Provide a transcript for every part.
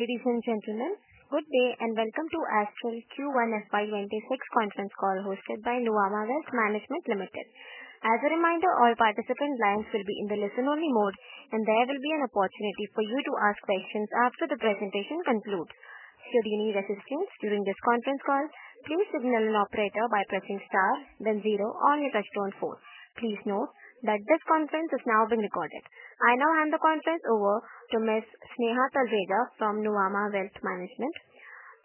Ladies and gentlemen, good day and welcome to Astral Limited's Q1 FY 2024 Conference Call hosted by Nuvama Wealth Management. As a reminder, all participant lines will be in the listen-only mode, and there will be an opportunity for you to ask questions after the presentation concludes. Should you need assistance during this conference call, please signal an operator by pressing Star, then zero, or you can call on four. Please note that this conference is now being recorded. I now hand the conference over to Ms. Sneha Talreja from Nuvama Wealth Management.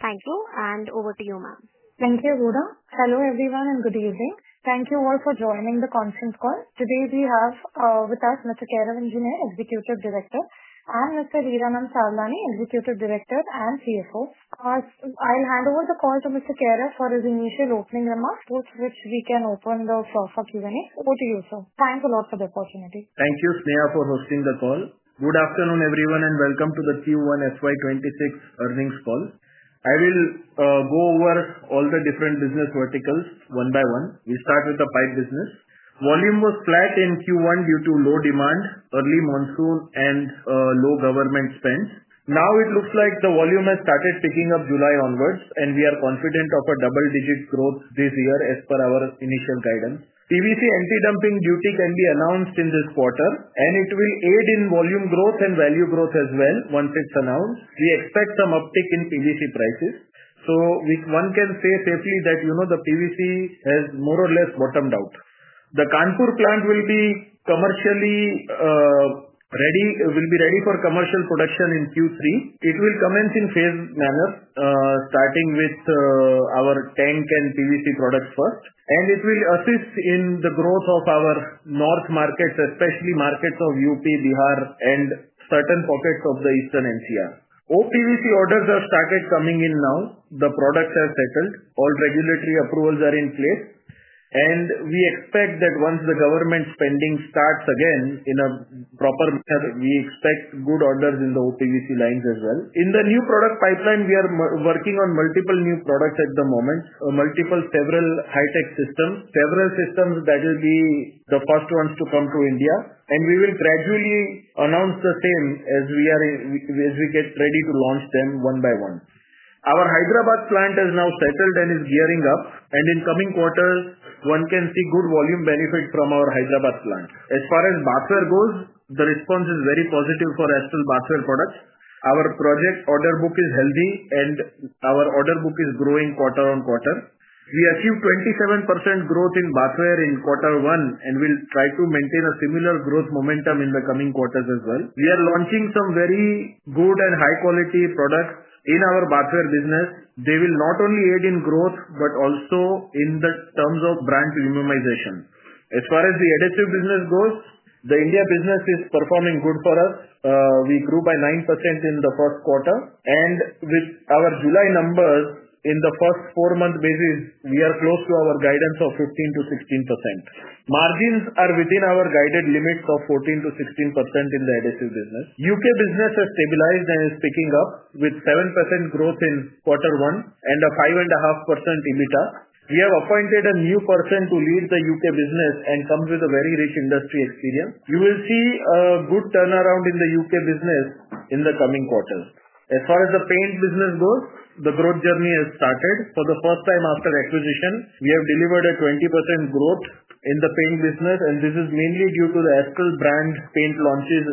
Thank you, and over to you, ma'am. Thank you, Huda. Hello everyone and good evening. Thank you all for joining the conference call. Today we have with us Mr. Kairav Engineer, Executive Director, and Mr. Hiranand Savlani, Executive Director and CFO. I'll hand over the call to Mr. Kairav for his initial opening remarks, which we can open the floor for Q&A. Over to you, sir. Thanks a lot for the opportunity. Thank you, Sneha, for hosting the call. Good afternoon everyone and welcome to the Q1 FY 2026 earnings call. I will go over all the different business verticals one by one. We'll start with the pipe business. Volume was flat in Q1 due to low demand, early monsoon, and low government spends. Now it looks like the volume has started picking up July onwards, and we are confident of a double-digit growth this year as per our initial guidance. PVC anti-dumping duty can be announced in this quarter, and it will aid in volume growth and value growth as well once it's announced. We expect some uptick in PVC prices. One can say safely that the PVC has more or less bottomed out. The Kanpur plant will be commercially ready. It will be ready for commercial production in Q3. It will commence in a phased manner, starting with our tank and PVC products first, and it will assist in the growth of our north markets, especially markets of UP, Bihar, and certain pockets of the eastern NCR. All PVC orders have started coming in now. The products have settled. All regulatory approvals are in place, and we expect that once the government spending starts again in a proper manner, we expect good orders in the OPVC lines as well. In the new product pipeline, we are working on multiple new products at the moment, several high-tech systems, several systems that will be the first ones to come to India, and we will gradually announce the same as we get ready to launch them one by one. Our Hyderabad plant is now settled and is gearing up, and in the coming quarter, one can see good volume benefit from our Hyderabad plant. As far as Bathware goes, the response is very positive for Astral Bathware products. Our project order book is healthy, and our order book is growing quarter on quarter. We achieved 27% growth in Bathware in quarter one, and we'll try to maintain a similar growth momentum in the coming quarters as well. We are launching some very good and high-quality products in our Bathware business. They will not only aid in growth but also in the terms of brand unionization. As far as the adhesive business goes, the India business is performing good for us. We grew by 9% in the first quarter, and with our July numbers in the first four-month basis, we are close to our guidance of 15%-16%. Margins are within our guided limits of 14%-16% in the adhesive business. U.K business has stabilized and is picking up with 7% growth in quarter one and a 5.5% EBITDA. We have appointed a new person to lead the U.K business and come with a very rich industry experience. You will see a good turnaround in the U.K business in the coming quarters. As far as the paint business goes, the growth journey has started. For the first time after acquisition, we have delivered a 20% growth in the paint business, and this is mainly due to the Astral brand paint launches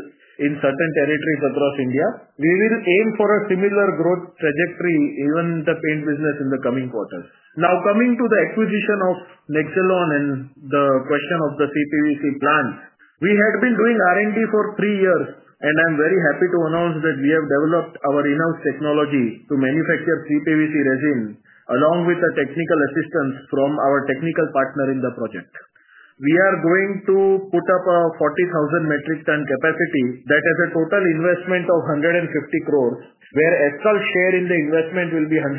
in certain territories across India. We will aim for a similar growth trajectory in the paint business in the coming quarters. Now, coming to the acquisition of Nexelon and the question of the CPVC plants, we had been doing R&D for three years, and I'm very happy to announce that we have developed our in-house technology to manufacture CPVC resin along with the technical assistance from our technical partner in the project. We are going to put up a 40,000 metric ton capacity. That is a total investment of 150 crore, where Astral's share in the investment will be 120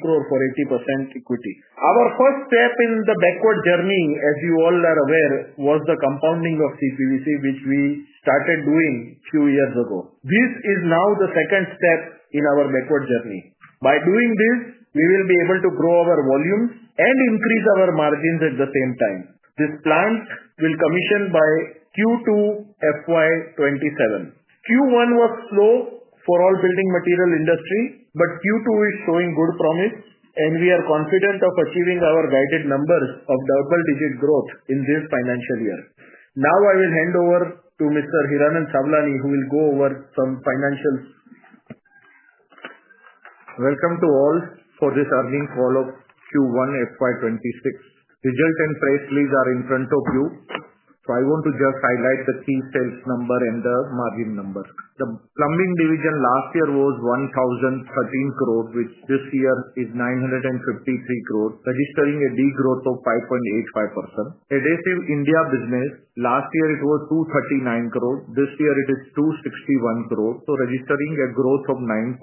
crore for 80% equity. Our first step in the backward journey, as you all are aware, was the compounding of CPVC, which we started doing a few years ago. This is now the second step in our backward journey. By doing this, we will be able to grow our volumes and increase our margins at the same time. This plant will commission by Q2 FY 2027. Q1 was slow for all building material industry, but Q2 is showing good promise, and we are confident of achieving our guided numbers of double-digit growth in this financial year. Now I will hand over to Mr. Hiranand Savlani, who will go over some financials. Welcome to all for this earnings call of Q1 FY 2026. Results and price slides are in front of you. I want to just highlight the key sales number and the margin number. The plumbing division last year was 1,013 crore, which this year is 953 crore, registering a degrowth of 5.85%. Adhesive India business last year it was 239 crore. This year it is 261 crore, registering a growth of 9.15%.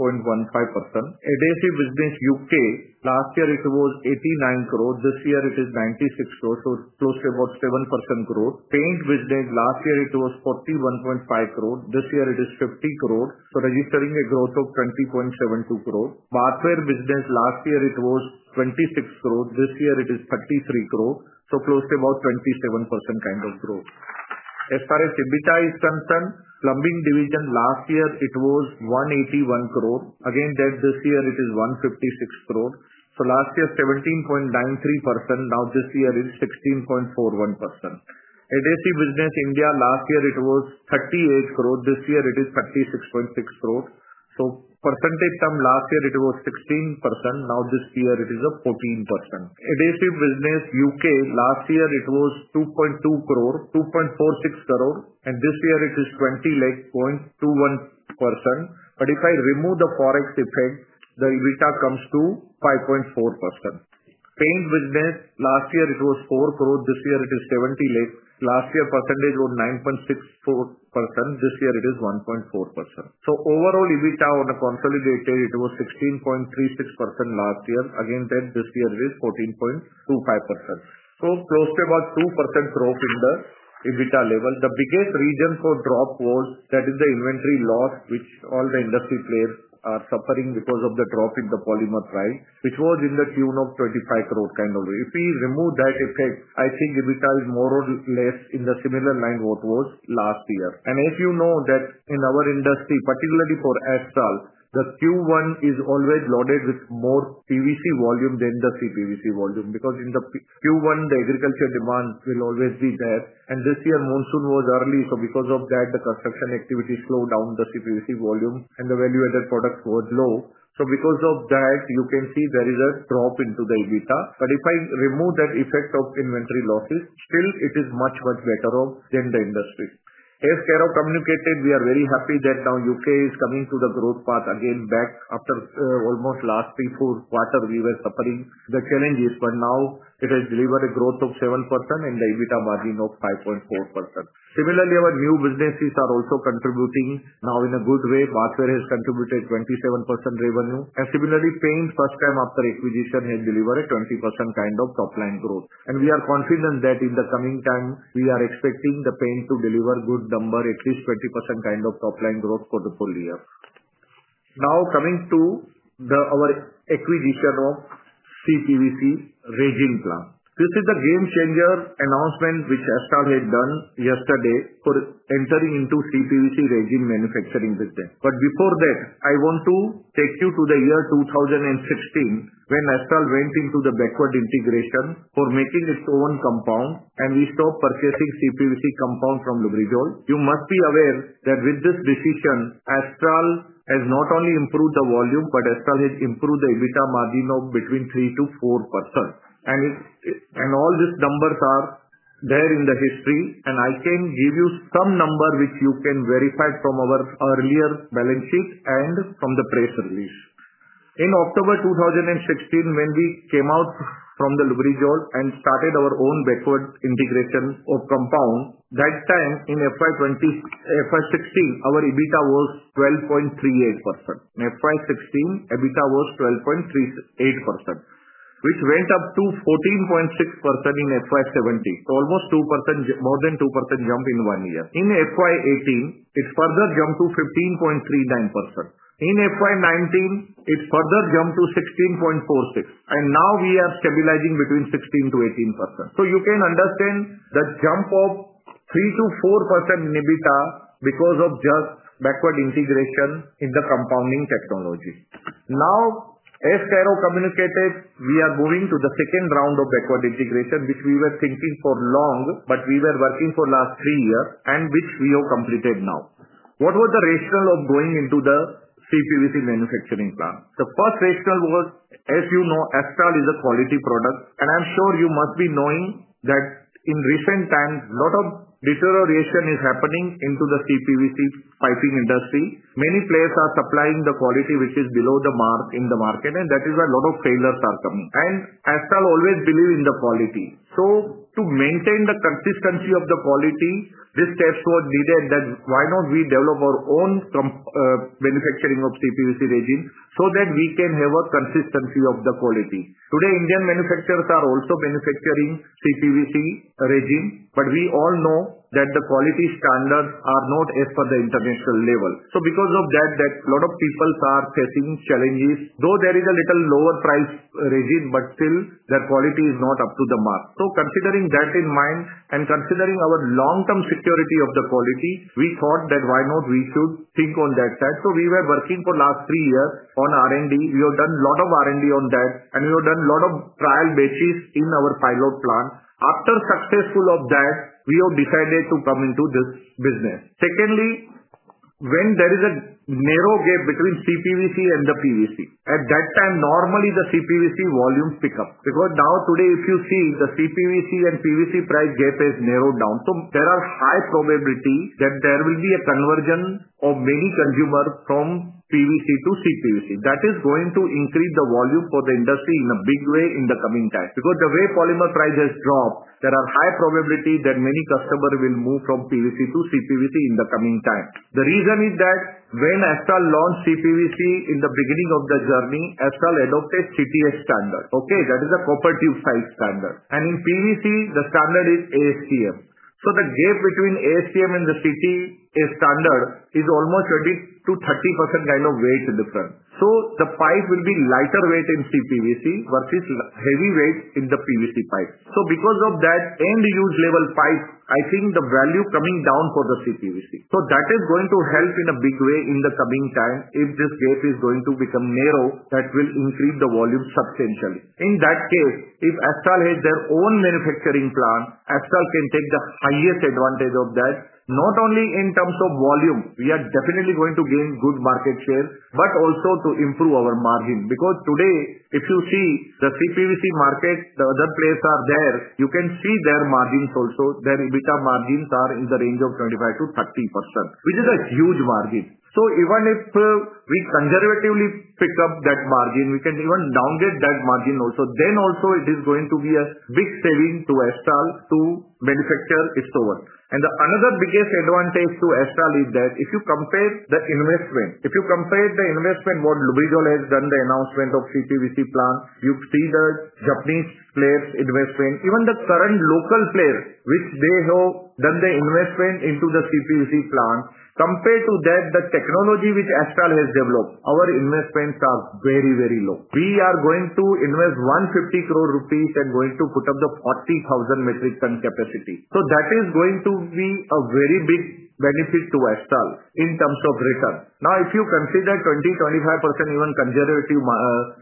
Adhesive business U.K last year it was 89 crore. This year it is 96 crore, so it's close to about 7% growth. Paint business last year it was 41.5 crore. This year it is 50 crore, registering a growth of 20.72%. Bathware business last year it was 26 crore. This year it is 33 crore, so close to about 27% kind of growth. As far as EBITDA is concerned, plumbing division last year it was 181 crore. This year it is 156 crore. Last year it was 17.93%. Now this year it is 16.41%. Adhesive business India last year it was 38 crore. This year it is 36.6 crore. In percentage terms, last year it was 16%. Now this year it is 14%. Adhesive business U.K last year it was 2.2 crore, 2.46 crore, and this year it is 20.21%. If I remove the forex effect, the EBITDA comes to 5.4%. Paint business last year it was 4 crore. This year it is 0.7 crore. Last year percentage was 9.64%. This year it is 1.4%. Overall EBITDA on a consolidated basis was 16.36% last year. This year it is 14.25%, so close to about 2% growth in the EBITDA level. The biggest reason for the drop was the inventory loss, which all the industry players are suffering because of the drop in the polymer price, which was in the tune of INR 25 crore. If we remove that effect, I think EBITDA is more or less in the similar line as last year. In our industry, particularly for Astral, Q1 is always loaded with more PVC volume than the CPVC volume because in Q1, the agriculture demand will always be there. This year monsoon was early, which slowed down the construction activity, the CPVC volume, and the value-added products were low. You can see there is a drop in the EBITDA. If I remove that effect of inventory losses, still it is much, much better than the industry. As Kairav communicated, we are very happy that now U.K is coming to the growth path again after almost the last three four quarters we were suffering the challenges. Now it has delivered a growth of 7% and the EBITDA margin of 5.4%. Similarly, our new businesses are also contributing now in a good way. Bathware has contributed 27% revenue. Similarly, paint first time after acquisition has delivered a 20% kind of top line growth. We are confident that in the coming time, we are expecting the paint to deliver good number, at least 20% kind of top line growth for the full year. Now coming to our acquisition of CPVC resin plant. This is the game changer announcement which Astral Limited has done yesterday for entering into CPVC resin manufacturing business. Before that, I want to take you to the year 2015 when Astral went into the backward integration for making its own compound and we stopped purchasing CPVC compound from Lubrizol. You must be aware that with this decision, Astral Limited has not only improved the volume, but Astral has improved the EBITDA margin of between 3%-4%. All these numbers are there in the history. I can give you some numbers which you can verify from our earlier balance sheets and from the press release. In October 2016, when we came out from the Lubrizol and started our own backward integration of compound, that time in FY 2016, our EBITDA was 12.38%. In FY 2016, EBITDA was 12.38%, which went up to 14.6% in FY 2017. Almost 2%, more than 2% jump in one year. In FY 2018, it further jumped to 15.39%. In FY 2019, it further jumped to 16.46%. Now we are stabilizing between 16%-18%. You can understand the jump of 3%-4% in EBITDA because of just backward integration in the compounding technologies. Now, as Kairav communicated, we are moving to the second round of backward integration, which we were thinking for long, but we were working for the last three years and which we have completed now. What was the rationale of going into the CPVC manufacturing plant? The first rationale was, as you know, Astral is a quality product. I'm sure you must be knowing that in recent times, a lot of deterioration is happening into the CPVC piping industry. Many players are supplying the quality which is below the mark in the market, and that is where a lot of failures are coming. Astral always believes in the quality. To maintain the consistency of the quality, the steps were needed that why not we develop our own manufacturing of CPVC resin so that we can have a consistency of the quality. Today, Indian manufacturers are also manufacturing CPVC resin, but we all know that the quality standards are not as per the international level. Because of that, a lot of people are facing challenges. Though there is a little lower price resin, the quality is not up to the mark. Considering that in mind and considering our long-term security of the quality, we thought that why not we should think on that side. We were working for the last three years on R&D. We have done a lot of R&D on that, and we have done a lot of trial batches in our pilot plant. After success of that, we have decided to come into this business. Secondly, when there is a narrow gap between CPVC and the PVC, at that time, normally the CPVC volumes pick up. Now today, if you see the CPVC and PVC price gap is narrowed down, there is a high probability that there will be a conversion of many consumers from PVC to CPVC. That is going to increase the volume for the industry in a big way in the coming times. The way polymer price has dropped, there is a high probability that many customers will move from PVC to CPVC in the coming times. The reason is that when Astral launched CPVC in the beginning of the journey, Astral adopted CTS standard, which is the copper tube size standard. In PVC, the standard is ASTM. The gap between ASTM and the CTS standard is almost 20%-30% kind of weight difference. The pipe will be lighter weight in CPVC versus heavy weight in the PVC pipe. Because of that end-use level pipe, the value is coming down for the CPVC. That is going to help in a big way in the coming times if this gap is going to become narrow, which will increase the volume substantially. In that case, if Astral has their own manufacturing plant, Astral can take the highest advantage of that, not only in terms of volume, we are definitely going to gain good market share, but also to improve our margin. Today, if you see the CPVC market, the other players are there, you can see their margins also. Their EBITDA margins are in the range of 25%-30%, which is a huge margin. Even if we conservatively pick up that margin, we can even downgrade that margin also. Then also, it is going to be a big saving to Astral to manufacture its own. The other biggest advantage to Astral is that if you compare the investment, if you compare the investment what Lubrizol has done, the announcement of CPVC plant, you see the Japanese players' investment, even the current local players, which they have done the investment into the CPVC plant, compared to that, the technology which Astral has developed, our investments are very, very low. We are going to invest 150 crore rupees and going to put up the 40,000 metric ton capacity. That is going to be a very big benefit to Astral in terms of return. Now, if you consider 20%-25% even conservative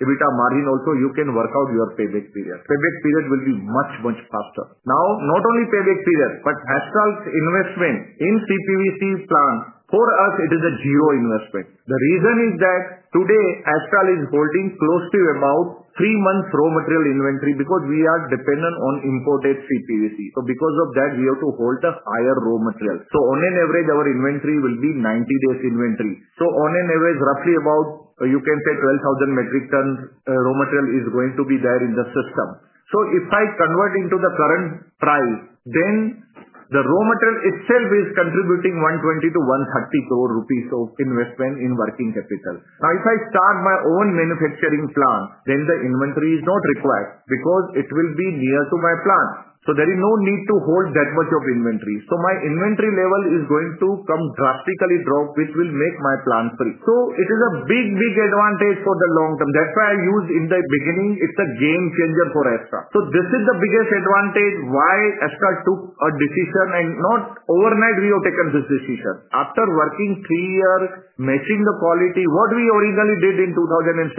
EBITDA margin also, you can work out your payback period. Payback period will be much, much softer. Not only payback period, but Astral's investment in CPVC plant for us, it is a zero investment. The reason is that today Astral is holding close to about three months raw material inventory because we are dependent on imported CPVC. Because of that, we have to hold a higher raw material. On an average, our inventory will be 90 days inventory. On an average, roughly about you can say 12,000 metric tons raw material is going to be there in the system. If I convert into the current price, then the raw material itself is contributing 120-130 crore rupees of investment in working capital. If I start my own manufacturing plant, then the inventory is not required because it will be near to my plant. There is no need to hold that much of inventory. My inventory level is going to come drastically drop, which will make my plant free. It is a big, big advantage for the long term. That's why I used in the beginning, it's a game changer for Astral. This is the biggest advantage why Astral took a decision and not overnight Rio Techens decision. After working three years, matching the quality, what we originally did in 2016,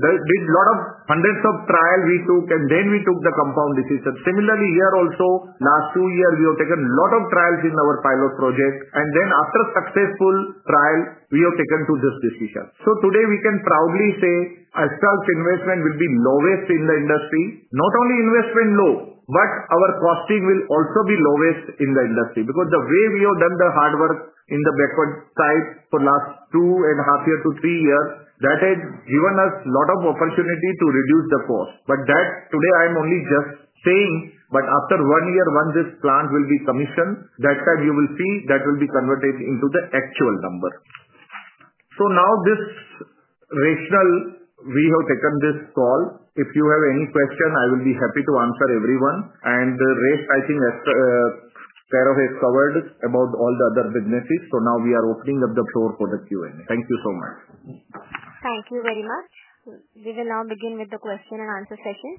there were a lot of hundreds of trials we took, and then we took the compound decision. Similarly, here also, last two years, we have taken a lot of trials in our pilot project, and then after a successful trial, we have taken to this decision. Today we can proudly say Astral's investment will be lowest in the industry. Not only investment low, but our costing will also be lowest in the industry because the way we have done the hard work in the backward type for the last two and a half years to three years, that has given us a lot of opportunity to reduce the cost. That's today, I'm only just saying, but after one year, once this plant will be commissioned, that time you will see that will be converted into the actual number. Now, this rationale, we have taken this call. If you have any questions, I will be happy to answer everyone. I think Kairav has covered about all the other businesses. Now we are opening up the floor for the Q&A. Thank you so much. Thank you very much. We will now begin with the question-and-answer session.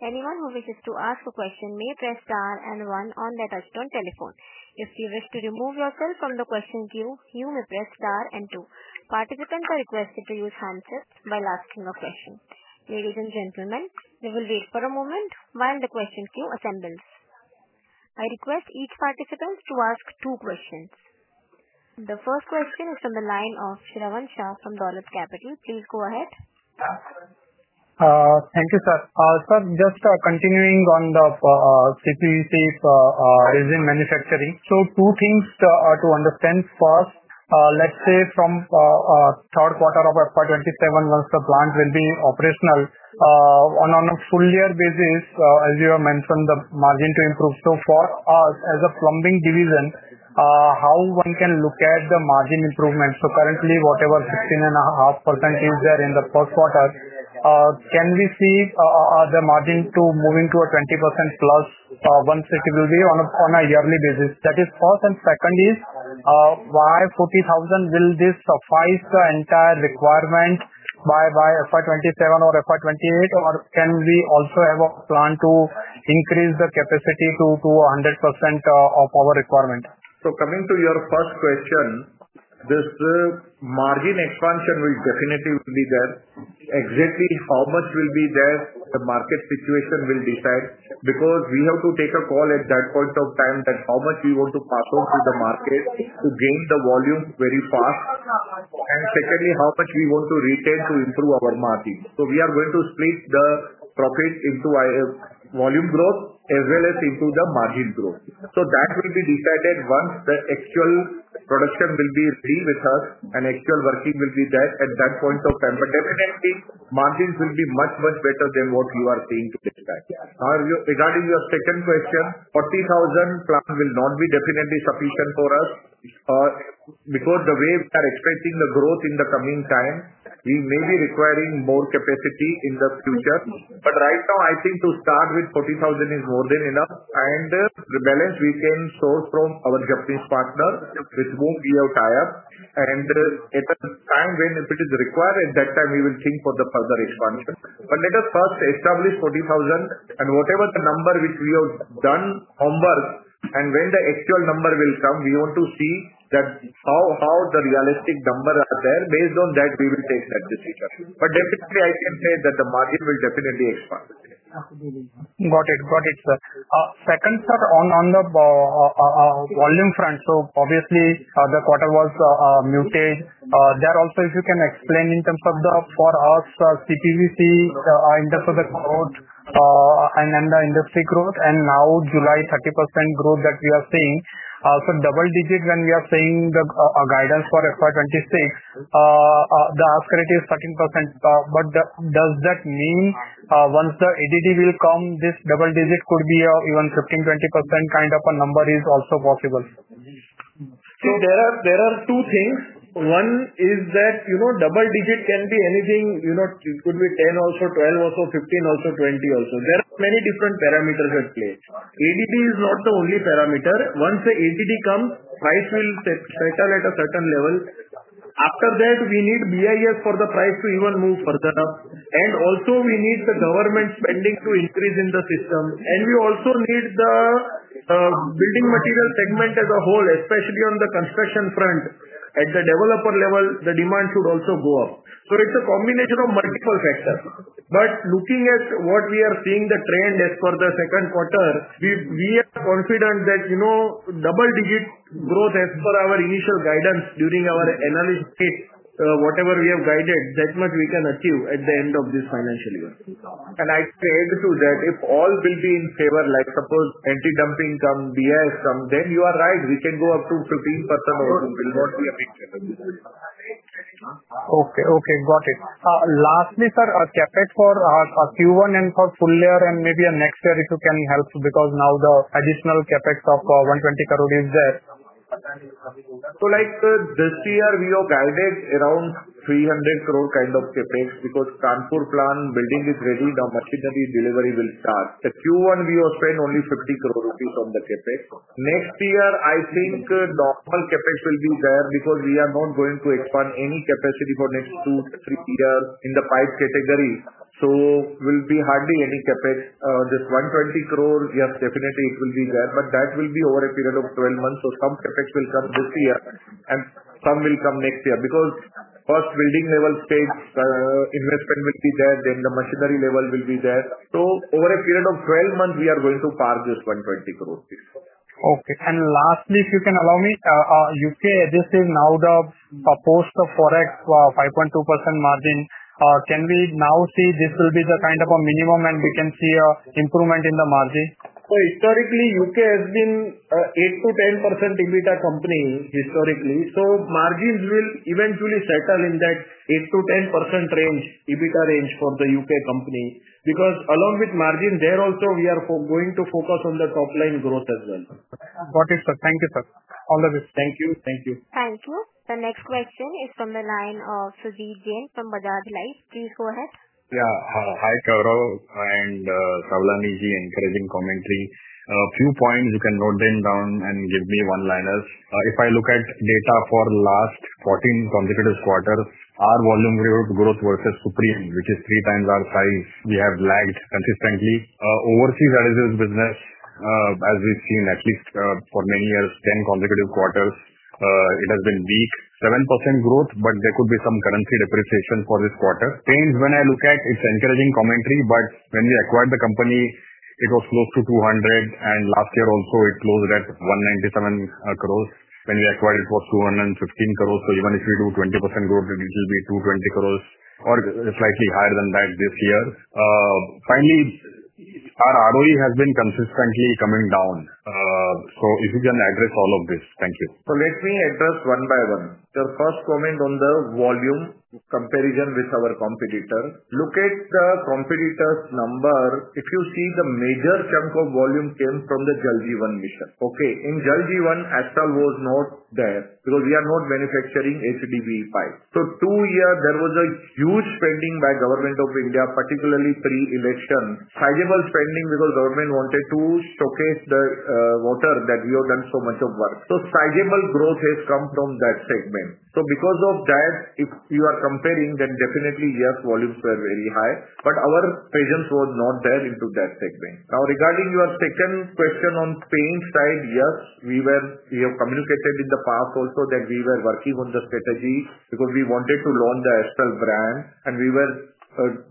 Anyone who wishes to ask a question may press Star and one on their touchstone telephone. If you wish to remove yourself from the question queue, you may press Star and two. Participants are requested to use handsets by asking a question. Ladies and gentlemen, we will wait for a moment while the question queue assembles. I request each participant to ask two questions. The first question is from the line of Sravan Shah from Dolat Capital. Please go ahead. Thank you, sir. Sir, just continuing on the CPVC resin manufacturing. Two things are to understand. First, let's say from the third quarter of FY 2027, once the plant will be operational, on a full-year basis, as you have mentioned, the margin to improve. For us as a plumbing division, how one can look at the margin improvement? Currently, whatever 16.5% is there in the first quarter, can we see the margin moving to a 20%+ once it will be on a yearly basis? That is first. Second is, why 40,000? Will this suffice the entire requirement by FY 2027 or FY 2028? Can we also have a plan to increase the capacity to 100% of our requirement? Coming to your first question, this margin expansion will definitely be there. Exactly how much will be there, the market situation will decide because we have to take a call at that point of time on how much we want to pass on to the market to gain the volume very fast. Secondly, how much we want to retain to improve our margin. We are going to split the profit into volume growth as well as into the margin growth. That will be decided once the actual production will be ready with us and actual working will be there at that point of time. Margins will be much, much better than what you are paying to expect. Regarding your second question, 40,000 metric tons plant will not be definitely sufficient for us. Because the way we are expecting the growth in the coming times, we may be requiring more capacity in the future. Right now, I think to start with, 40,000 metric tons is more than enough. The balance we can source from our Japanese partner, which won't be out higher. At the time when it is required, at that time, we will think for the further expansion. Let us first establish 40,000 metric tons and whatever the number which we have done onwards. When the actual number will come, we want to see how the realistic number is there. Based on that, we will take that decision. I can say that the margin will definitely expand. Second, sir, on the volume front, the quarter was muted. If you can explain in terms of the, for us, the CPVC in terms of the growth and then the industry growth, and now July 30% growth that we are seeing, also double digits, and we are seeing a guidance for FY 2026. The ask rate is 13%. Does that mean once the ADD will come, this double digit could be even 15%-20% kind of a number is also possible? See, there are two things. One is that, you know, double digit can be anything. It could be 10%, also 12%, also 15%, also 20%. There are many different parameters at play. ADD is not the only parameter. Once the ADD comes, price will settle at a certain level. After that, we need BIS for the price to even move further up. We also need the government spending to increase in the system. We also need the building material segment as a whole, especially on the construction front. At the developer level, the demand should also go up. It is a combination of multiple factors. Looking at what we are seeing, the trend as per the second quarter, we are confident that, you know, double digit growth as per our initial guidance during our analysis, whatever we have guided, that much we can achieve at the end of this financial year. And I can add to that, if all will be in favor, like suppose anti-dumping come, BIS come, then you are right. We can go up to 15% or will not be a big change. Okay, okay, got it. Lastly, sir, a CapEx for Q1 and for full year and maybe a next year if you can help because now the additional CapEx of 120 crore is there. This year, we have guided around 300 crore kind of CapEx because the Kanpur plant building is ready. The market delivery will start. In Q1, we have spent only 50 crore rupees on the CapEx. Next year, I think the whole CapEx will be there because we are not going to expand any capacity for the next two or three years in the pipe category, so there will be hardly any CapEx. This 120 crore, yes, definitely it will be there, but that will be over a period of 12 months. Some CapEx will come this year and some will come next year because first building level stage investment will be there, then the machinery level will be there. Over a period of 12 months, we are going to par this 120 crore. Okay. Lastly, if you can allow me, U.K adjusted now the post of forex 5.2% margin. Can we now see this will be the kind of a minimum and we can see an improvement in the margin? Historically, U.K has been an 8%-10% EBITDA company. Margins will eventually settle in that 8%-10% range, EBITDA range for the U.K company. Along with margins, there also we are going to focus on the top line growth as well. Got it, sir. Thank you, sir. All the best. Thank you. Thank you. Thank you. The next question is from the line of Sujit Jain from Bajaj Life. Please go ahead. Yeah, hi, Kairav and Savlani. encouraging commentary. A few points, you can note them down and give me one-liners. If I look at data for the last 14 consecutive quarters, our volume growth versus Supreme, which is 3x our price, we have lagged consistently. Overseas adhesive business, as we've seen at least for many years, 10 consecutive quarters, it has been weak. 7% growth, but there could be some currency depreciation for this quarter. Paints, when I look at it, it's encouraging commentary, but when we acquired the company, it was close to 200 crore, and last year also it closed at 197 crore. When we acquired, it was 215 crore. Even if you do 20% growth, it will be 220 crore or slightly higher than that this year. Finally, our ROE has been consistently coming down. If you can address all of this, thank you. Let me address one by one. The first comment on the volume comparison with our competitor, look at the competitor's number. If you see the major chunk of volume came from the Jal Jeevan Mission. In Jal Jeevan was not there because we are not manufacturing HDPE pipe. Two years, there was a huge spending by the government of India, particularly three elections. Sizable spending because the government wanted to stock the water that we have done so much of work. Sizable growth has come from that segment. Because of that, if you are comparing, then definitely yes, volumes were very high. Our presence was not there into that segment. Now, regarding your second question on paint side, yes, we have communicated in the past also that we were working on the strategy because we wanted to launch the Astral brand and we were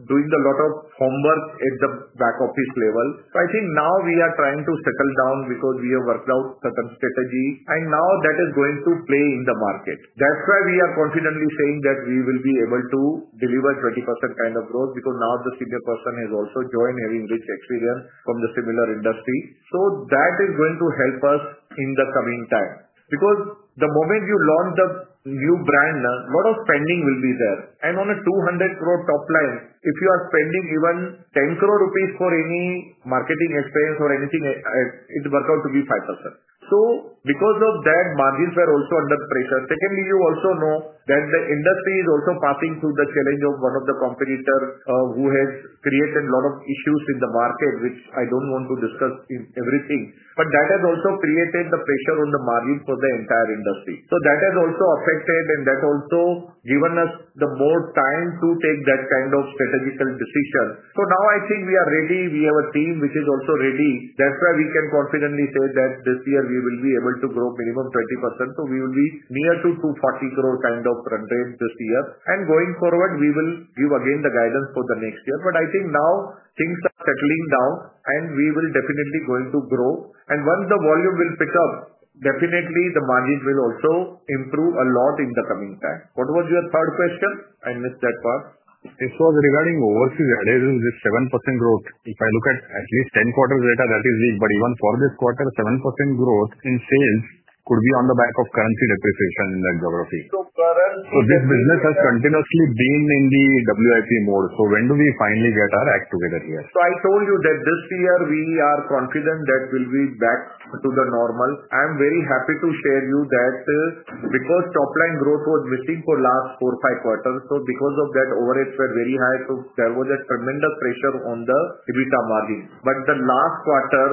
doing a lot of homework at the back office level. I think now we are trying to settle down because we have worked out certain strategies and now that is going to play in the market. That's why we are confidently saying that we will be able to deliver 20% kind of growth because now the senior person has also joined having rich experience from the similar industries. That is going to help us in the coming times because the moment you launch the new brand, a lot of spending will be there. On a 200 crore top line, if you are spending even 10 crore rupees for any marketing experience or anything, it worked out to be 5%. Because of that, margins were also under pressure. Secondly, you also know that the industry is also passing through the challenge of one of the competitors who has created a lot of issues in the market, which I don't want to discuss in everything. That has also created the pressure on the margins for the entire industry. That has also affected and that's also given us the more time to take that kind of strategical decision. Now I think we are ready. We have a team which is also ready. That's why we can confidently say that this year we will be able to grow minimum 20%. We will be near to 240 crore kind of run rate this year. Going forward, we will give again the guidance for the next year. I think now things are settling down and we will definitely going to grow. Once the volume will pick up, definitely the margins will also improve a lot in the coming times. What was your third question? I missed that part. This was regarding overseas adhesive business, 7% growth. If I look at at least 10 quarters later, that is huge. Even for this quarter, 7% growth in sales could be on the back of currency depreciation in that geography. This business has continuously been in the WIP mode. When do we finally get our act together here? I told you that this year we are confident that we will be back to the normal. I am very happy to share with you that because top line growth was missing for the last four or five quarters, overheads were very high. There was a tremendous pressure on the EBITDA margin. In the last quarter,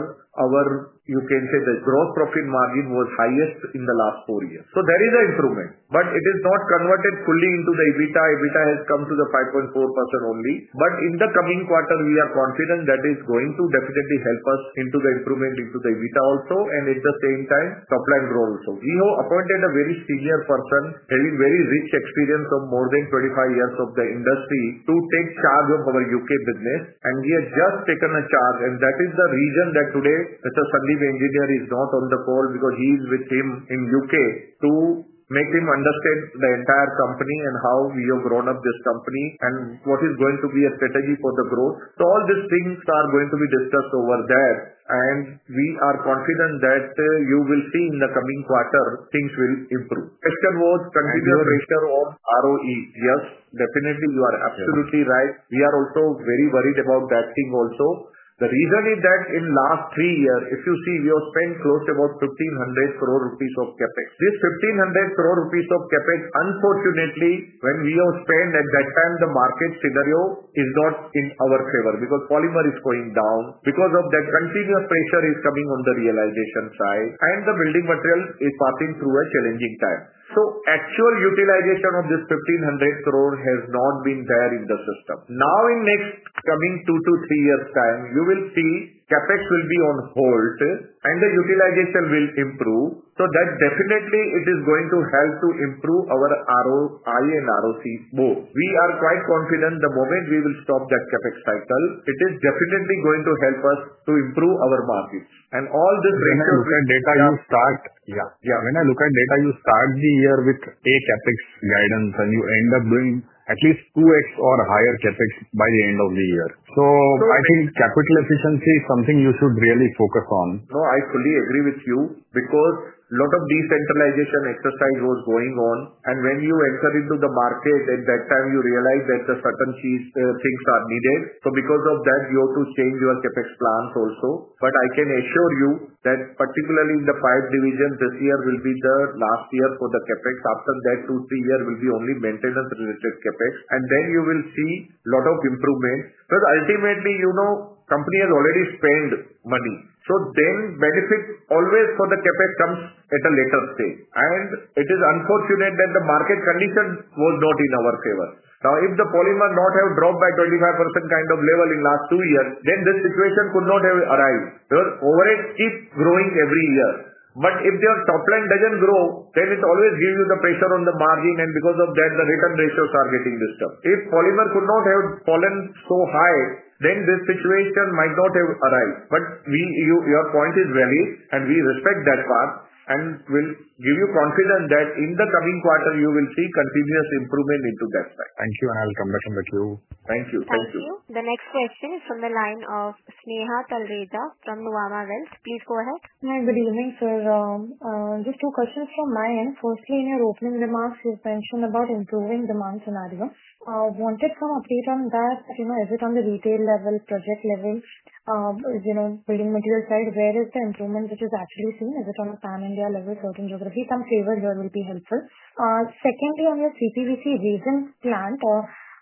you can say the gross profit margin was highest in the last four years. There is an improvement, but it is not converted fully into the EBITDA. EBITDA has come to 5.4% only. In the coming quarter, we are confident that it is going to definitely help us in the improvement in the EBITDA also. At the same time, top line growth also. We have appointed a very senior person having very rich experience of more than 25 years in the industry to take charge of our U.K business. He has just taken charge, and that is the reason that today Mr. Sandeep Engineer is not on the call because he is with him in the U.K to make him understand the entire company and how we have grown up this company and what is going to be a strategy for the growth. All these things are going to be discussed over there. We are confident that you will see in the coming quarter, things will improve. There was continued pressure on ROE..Yes, definitely. You are absolutely right. We are also very worried about that thing also. The reason is that in the last three years, if you see, we have spent close to about 1.5 billion rupees of CapEx. This 1.5 billion rupees of CapEx, unfortunately, when we have spent at that time, the market scenario is not in our favor because polymer is going down. Because of that, continuous pressure is coming on the realization side. The building material is passing through a challenging time. Actual utilization of this 1.5 billion has not been there in the system. In the next coming two to three years' time, you will see CapEx will be on hold and the utilization will improve. That definitely is going to help to improve our ROI and ROCs more. We are quite confident the moment we will stop that CapEx cycle, it is definitely going to help us to improve our markets and all this. When I look at data, when I look at data, you start the year with a CapEx guidance and you end up doing at least 2x or higher CapEx by the end of the year. I think capital efficiency is something you should really focus on. No, I fully agree with you because a lot of decentralization at the time was going on. When you enter into the market at that time, you realize that certain things are needed. Because of that, you have to change your CapEx plans also. I can assure you that particularly in the five divisions, this year will be the last year for the CapEx. After that, two to three years will be only maintenance-related CapEx. You will see a lot of improvements because ultimately, you know, the company has already spent money. The benefits always for the CapEx come at a later stage. It is unfortunate that the market condition was not in our favor. If the polymer did not have dropped by 25% kind of level in the last two years, then this situation could not have arisen. Overheads keep growing every year. If your top line doesn't grow, it always gives you the pressure on the margin. Because of that, the return ratios are getting disturbed. If polymer could not have fallen so high, then this situation might not have arisen. Your point is valid, and we respect that part and will give you confidence that in the coming quarter, you will see continuous improvement into that. Thank you. I'll come back from the queue. Thank you. Thank you. Thank you. The next question is from the line of Sneha Talreja from Nuvama Wealth Management. Please go ahead. Hi, good evening, sir. Just two questions from my end. Firstly, in your opening remarks, you mentioned about improving demand scenario. I wanted some update on that. Is it on the retail level, project level, building material side? Where is the improvement that is actually seen? Is it on the pan-India level, certain geography? Some flavor there will be helpful. Secondly, on your CPVC resin plant,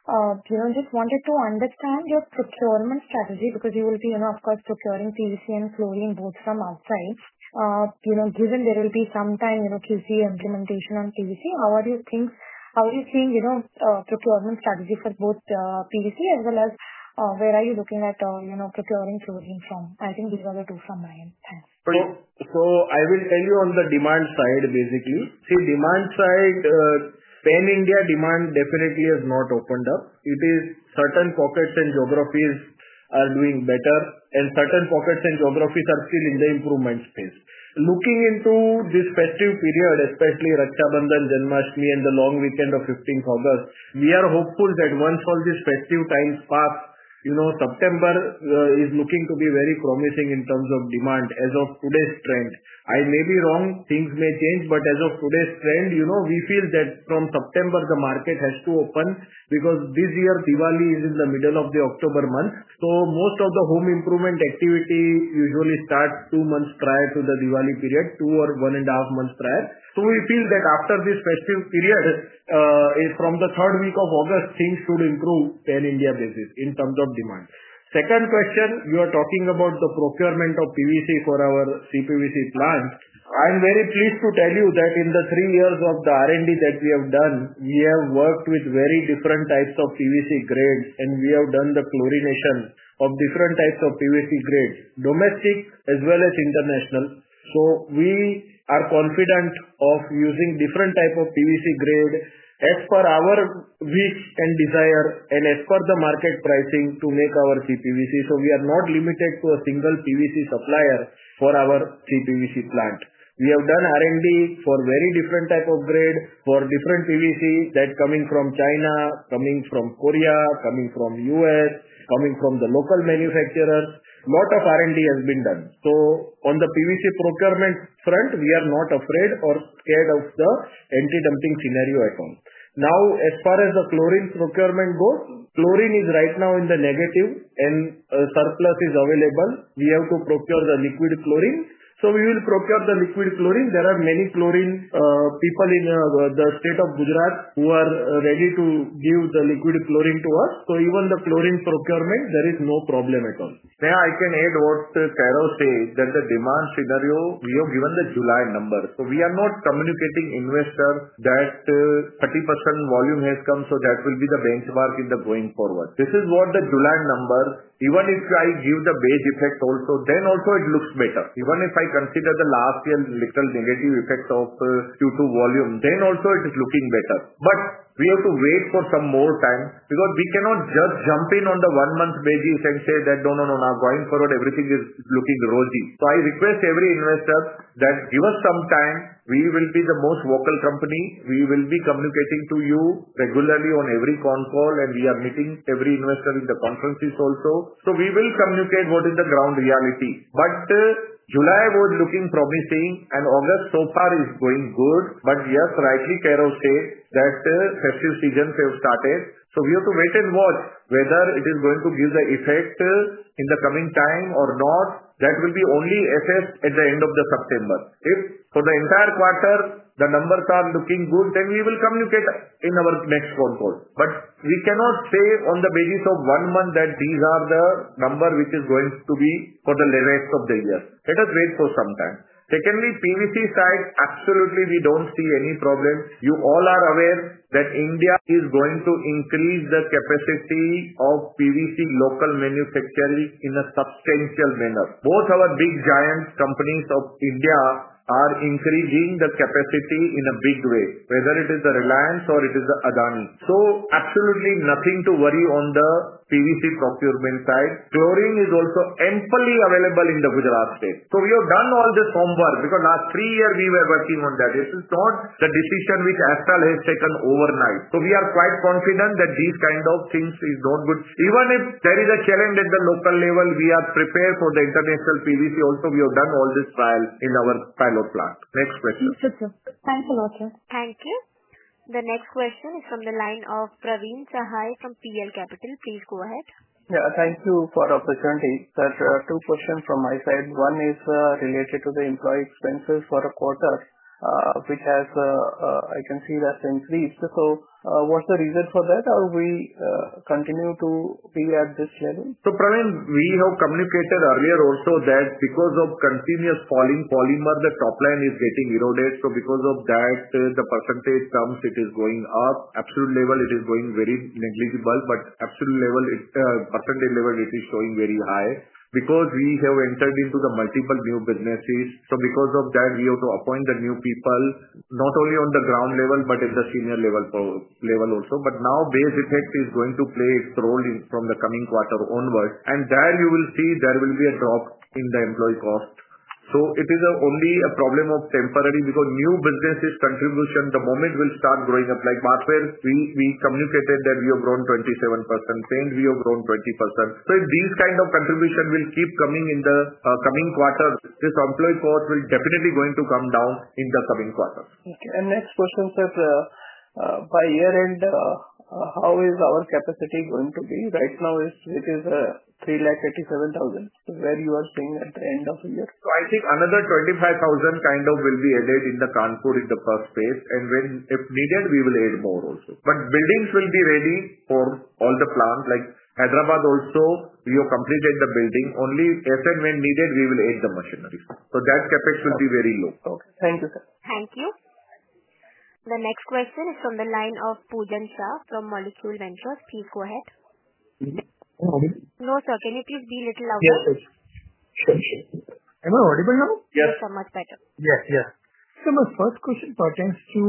I just wanted to understand your procurement strategy because you will be, of course, procuring PVC and flooring both from outside. Given there will be some time, QC implementation on PVC, how are you seeing procurement strategy for both, PVC as well as, where are you looking at procuring flooring from? I think these are the two from my end. I will tell you on the demand side, basically. See, demand side, pan-India demand definitely has not opened up. It is certain pockets and geographies are doing better, and certain pockets and geographies are still in the improvement stage. Looking into this festive period, especially Raksha Bandhan, Janmashtami, and the long weekend of 15th August, we are hopeful that once all these festive times pass, September is looking to be very promising in terms of demand as of today's trend. I may be wrong. Things may change, but as of today's trend, we feel that from September, the market has to open because this year Diwali is in the middle of the October month. Most of the home improvement activity usually starts two months prior to the Diwali period, two or one and a half months prior. We feel that after this festive period, from the third week of August, things should improve on a pan-India basis in terms of demand. Second question, you are talking about the procurement of PVC for our CPVC plants. I'm very pleased to tell you that in the three years of the R&D that we have done, we have worked with very different types of PVC grades, and we have done the chlorination of different types of PVC grades, domestic as well as international. We are confident of using different types of PVC grades as per our wish and desire and as per the market pricing to make our CPVC. We are not limited to a single PVC supplier for our CPVC plant. We have done R&D for very different types of grades, for different PVC that are coming from China, coming from Korea, coming from the U.S., coming from the local manufacturers. A lot of R&D has been done. On the PVC procurement front, we are not afraid or scared of the anti-dumping scenario at all. Now, as far as the chlorine procurement goes, chlorine is right now in the negative, and surplus is available. We have to procure the liquid chlorine. We will procure the liquid chlorine. There are many chlorine people in the state of Gujarat who are ready to give the liquid chlorine to us. Even the chlorine procurement, there is no problem at all. I can add what Kairav said that the demand scenario, we have given the July number. We are not communicating investors that 30% volume has come. That will be the benchmark in the going forward. This is what the July number, even if I give the base effect also, then also it looks better. Even if I consider the last year's little negative effect due to volume, then also it is looking better. We have to wait for some more time because we cannot just jump in on the one-month beige and say that no, no, no, no, going forward, everything is looking rosy. I request every investor that give us some time. We will be the most vocal company. We will be communicating to you regularly on every con call, and we are meeting every investor in the conferences also. We will communicate what is the ground reality. July was looking promising, and August so far is going good. Yes, rightly Kairav said that festive seasons have started. We have to wait and watch whether it is going to give the effect in the coming time or not. That will be only assessed at the end of September. If for the entire quarter, the numbers are looking good, then we will communicate in our next phone call. We cannot say on the basis of one month that these are the numbers which are going to be for the rest of the year. Let us wait for some time. Secondly, PVC side, absolutely, we don't see any problem. You all are aware that India is going to increase the capacity of PVC local manufacturing in a substantial manner. Both our big giant companies of India are increasing the capacity in a big way, whether it is the Reliance or it is the Adani. Absolutely nothing to worry on the PVC procurement side. Chlorine is also ample available in the Gujarat state. We have done all this homework because last three years we were working on that. This is not the decision which Astral has taken overnight. We are quite confident that these kinds of things are not good. Even if there is a challenge at the local level, we are prepared for the international PVC. Also, we have done all this trial in our pilot plant. Next question. Thank you, sir. Thank you. The next question is from the line of Praveen Sahai from PL Capital. Please go ahead. Thank you for the opportunity. There are two questions from my side. One is related to the employee expenses for a quarter, which I can see has increased. What's the reason for that? Are we continuing to be at this level? We have communicated earlier also that because of continuous falling polymer prices, the top line is getting eroded. Because of that, the percentage is going up. At the absolute level, it is going very negligible, but at the percentage level it is showing very high because we have entered into multiple new businesses. Because of that, we have to appoint new people not only on the ground level, but at the senior level also. Now, base effect is going to play its role from the coming quarter onwards, and you will see there will be a drop in the employee cost. It is only a problem of temporary nature because new businesses' contribution, the moment it will start growing up. Like Bathware, we communicated that we have grown 27%. Paint, we have grown 20%. These kinds of contributions will keep coming in the coming quarter. This employee cost will definitely come down in the coming quarters. Thank you. Next question, sir. By year end, how is our capacity going to be? Right now, it is 387,000 metric tons. Where are you seeing at the end of the year? I think another 25,000 metric tons. kind of will be added in the Kanpur in the first phase. If needed, we will add more also. Buildings will be ready for all the plants. Like Hyderabad also, we have completed the building. Only if and when needed, we will add the machinery, so that CapEx will be very low. Okay, thank you, sir. Thank you. The next question is from the line of Pujan Shah from Molecule Ventures. Please go ahead. Hello. No, sir. Can you please be a little louder? Yes, please. Am I audible now? Yes. Oh, much better. Yes, yes. My first question pertains to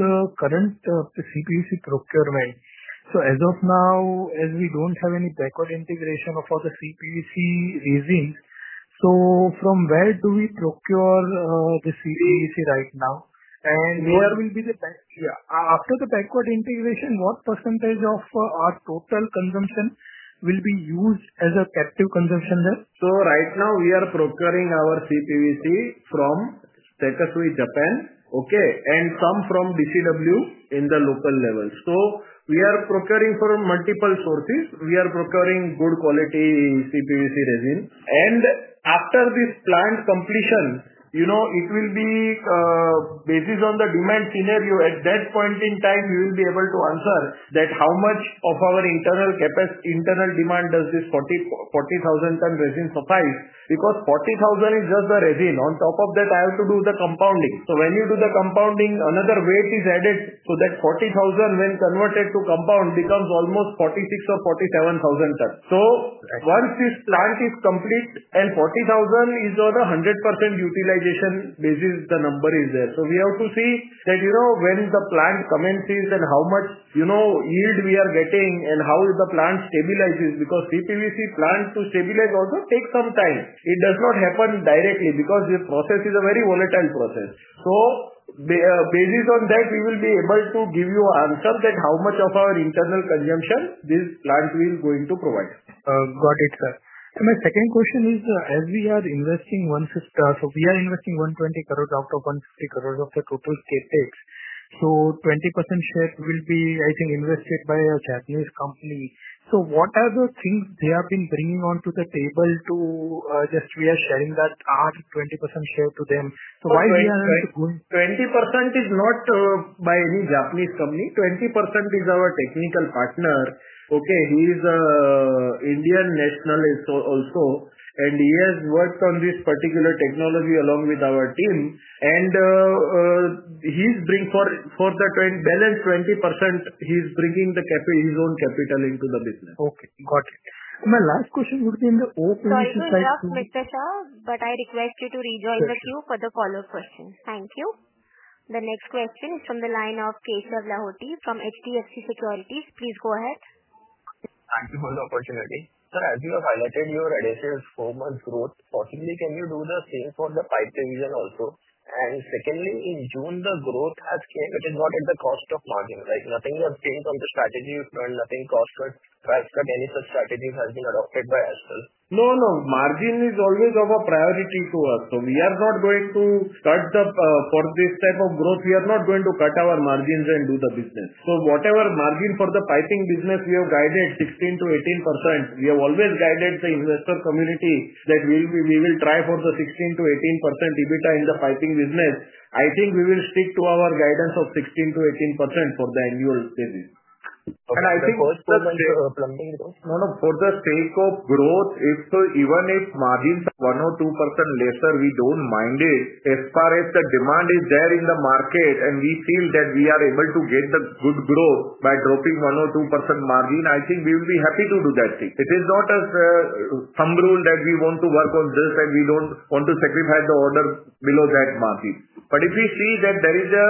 the current CPVC procurement. As we don't have any backward integration of our CPVC resin, from where do we procure the CPVC right now? After the backward integration, what % of our total consumption will be used as captive consumption there? Right now, we are procuring our CPVC from Sekisui Japan, and some from DCW at the local level. We are procuring from multiple sources. We are procuring good quality CPVC resin. After this plant completion, it will be based on the demand scenario. At that point in time, we will be able to answer how much of our internal capacity, internal demand, does this 40,000 ton resin suffice. 40,000 is just the resin. On top of that, I have to do the compounding. When you do the compounding, another weight is added. That 40,000 when converted to compound becomes almost 46,000 or 47,000 tons. Once this plant is complete and 40,000 is on a 100% utilization basis, the number is there. We have to see when the plant commences and how much yield we are getting and how the plant stabilizes because CPVC plant to stabilize also takes some time. It does not happen directly because the process is a very volatile process. Based on that, we will be able to give you an answer how much of our internal consumption this plant will be going to provide. Got it, sir. My second question is, as we are investing one sister, we are investing 120 crore after 150 crore of the total stake shares. 20% share will be, I think, invested by a Japanese company. What are the things they have been bringing onto the table to just we are sharing that our 20% share to them? Why are we going? 20% is not by any Japanese company. 20% is our technical partner. He is an Indian nationalist also. He has worked on this particular technology along with our team. He is bringing for the balance 20%, he's bringing his own capital into the business. Okay. Got it. My last question would be in the opening session. Sorry to interrupt, Mr. Sir, but I request you to rejoin the queue for the follow-up questions. Thank you. The next question is from the line of Keshav Lahoti from HDFC Securities. Please go ahead. Thank you for the opportunity. Sir, as you have highlighted your adversarial four months growth, possibly can you do the same for the pipe division also? Secondly, in June, the growth has changed. It is not at the cost of margin, right? Nothing has changed on the strategy front. Nothing cost-wise. Private benefit strategies have been adopted by Astral. Margin is always of a priority to us. We are not going to cut for this type of growth. We are not going to cut our margins and do the business. Whatever margin for the piping business, we have guided 16%-18%. We have always guided the investor community that we will try for the 16%-18% EBITDA in the piping business. I think we will stick to our guidance of 16%-18% for the annual basis. Okay. If you can comment on the plumbing growth? No, no. For the sake of growth, if sir, even if margins 1% or 2% lesser, we don't mind it. As far as the demand is there in the market and we think that we are able to get the good growth by dropping 1% or 2% margin, I think we will be happy to do that thing. It is not a thumb rule that we want to work on this and we don't want to sacrifice the order below that margin. If we see that there is a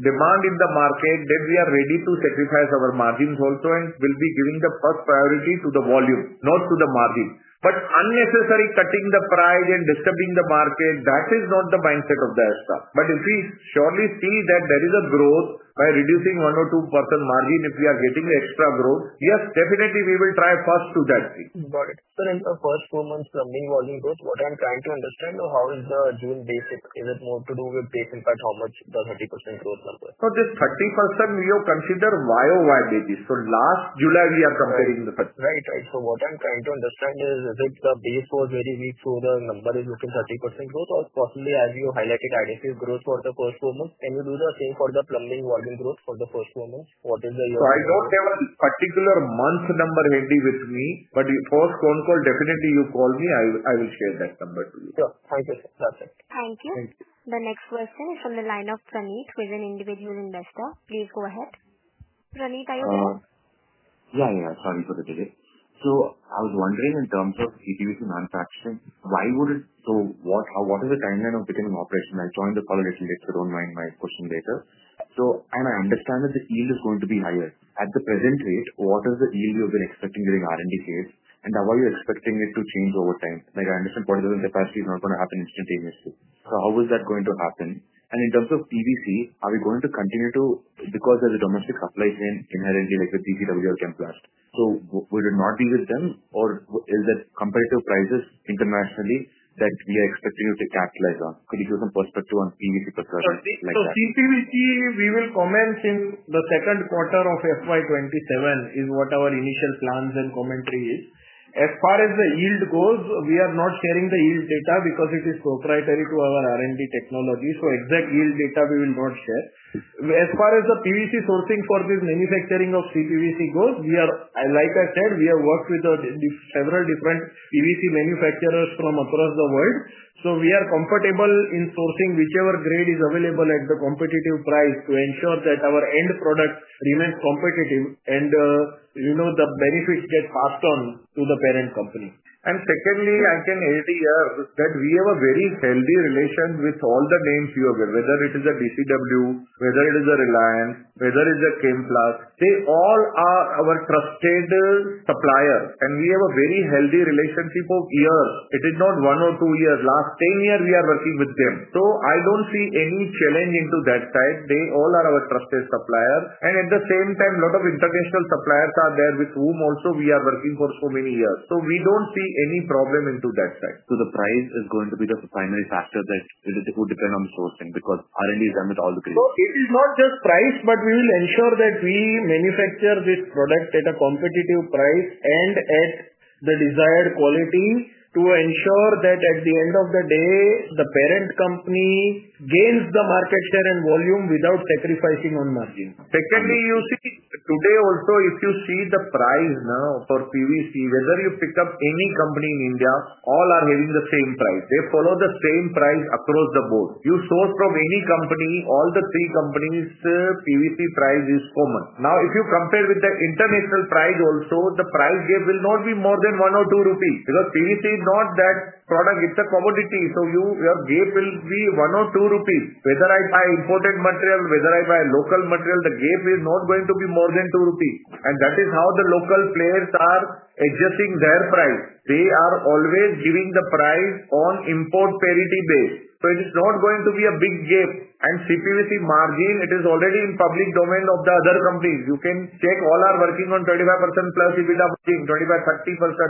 demand in the market, then we are ready to sacrifice our margins also and we'll be giving the first priority to the volume, not to the margin. Unnecessary cutting the price and disturbing the market, that is not the mindset of Astral. If we surely see that there is a growth by reducing 1% or 2% margin, if we are getting extra growth, yes, definitely we will try first to that thing. Got it. Sir, two months from the volume growth, what I'm trying to understand, how is the June basis? Is it more to do with basis at how much the 30% growth number? This 30% is considered on a year-over-year basis. Last July, we are comparing the first. Right. What I'm trying to understand is, is it the base was very rich or the number is looking 30% growth or possibly, as you highlighted, additive growth for the first two months? Can you do the same for the plumbing volume growth for the first two months? What is the? I don't have a particular month's number handy with me, but your first phone call, definitely you call me, I will share that number to you. Sure. Thank you, sir. Perfect. Thank you. The next question is from the line of Praneet, who is an individual investor. Please go ahead. Praneet, are you? Sorry for the delay. I was wondering in terms of CPVC manufacturing, why would it? What is the timeline of the operation? I joined the collaboration list. I don't mind my question later. I understand that the yield is going to be higher. At the present rate, what is the yield we have been expecting during R&D phase? How are you expecting it to change over time? I understand polymer capacity is not going to happen instantaneously. How is that going to happen? In terms of PVC, are we going to continue to because there's a domestic supply chain in R&D like the DCW or Chemplast? Would it not be with them? Is it comparative prices internationally that we are expecting to capitalize on? Could you show some perspective on PVCC procurement and things like that? CPVC, we will comment in the second quarter of FY 2027 is what our initial plans and commentary is. As far as the yield goes, we are not sharing the yield data because it is proprietary to our R&D technology. Exact yield data we will not share. As far as the PVC sourcing for this manufacturing of CPVC goes, like I said, we have worked with several different PVC manufacturers from across the world. We are comfortable in sourcing whichever grade is available at the competitive price to ensure that our end product remains competitive and the benefits get passed on to the parent company. Secondly, I can add here that we have a very healthy relation with all the names you have given, whether it is DCW, whether it is Reliance, whether it is Chemplast. They all are our trusted suppliers. We have a very healthy relationship of years. It is not one or two years. Last 10 years, we are working with them. I don't see any challenge into that side. They all are our trusted suppliers. At the same time, a lot of international suppliers are there with whom also we are working for so many years. We don't see any problem into that side. The price is going to be the primary factor that it would depend on sourcing because R&D is done with all the. Sourcing is not just price, but we will ensure that we manufacture this product at a competitive price and at the desired quality to ensure that at the end of the day, the parent company gains the market share and volume without sacrificing on margin. Secondly, you see today also, if you see the price now for PVC, whether you pick up any company in India, all are having the same price. They follow the same price across the board. You source from any company, all the three companies, PVC price is common. Now, if you compare with the international price also, the price gap will not be more than 1 or 2 rupees because PVC is not that product. It's a commodity. Your gap will be 1 or 2 rupees. Whether I buy imported material, whether I buy local material, the gap is not going to be more than 2 rupees. That is how the local players are adjusting their price. They are always giving the price on import parity basis. It is not going to be a big gap. CPVC margin, it is already in the public domain of the other companies. You can check all are working on 35% plus EBITDA margin, 25%,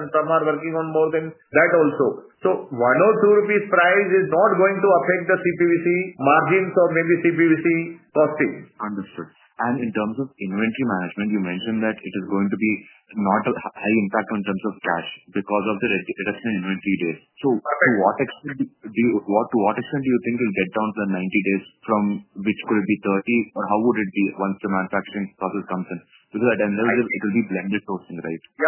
30%, some are working on more than that also. One or two rupees price is not going to affect the CPVC margins or maybe CPVC costings. Understood. In terms of inventory management, you mentioned that it is going to be not a high impact in terms of CapEx because of the rest inventory days. Perfect. To what extent do you think it will get down to the 90 days, or could it be 30? How would it be once the manufacturing process comes in? At the end of the day, it will be blended sourcing, right? Yeah.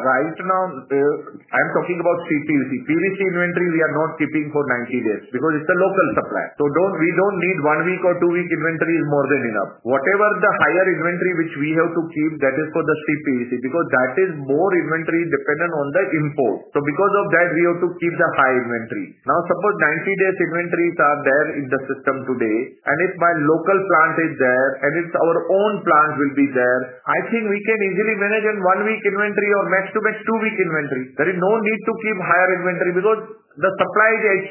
Right now, I am talking about CPVC. PVC inventory, we are not keeping for 90 days because it's a local supply. We don't need, one week or two weeks inventory is more than enough. Whatever the higher inventory which we have to keep, that is for the CPVC because that is more inventory dependent on the import. Because of that, we have to keep the high inventory. Now, suppose 90 days inventories are there in the system today. If my local plant is there and it's our own plant, I think we can easily manage in one week inventory or max to max two weeks inventory. There is no need to keep higher inventory because the supply is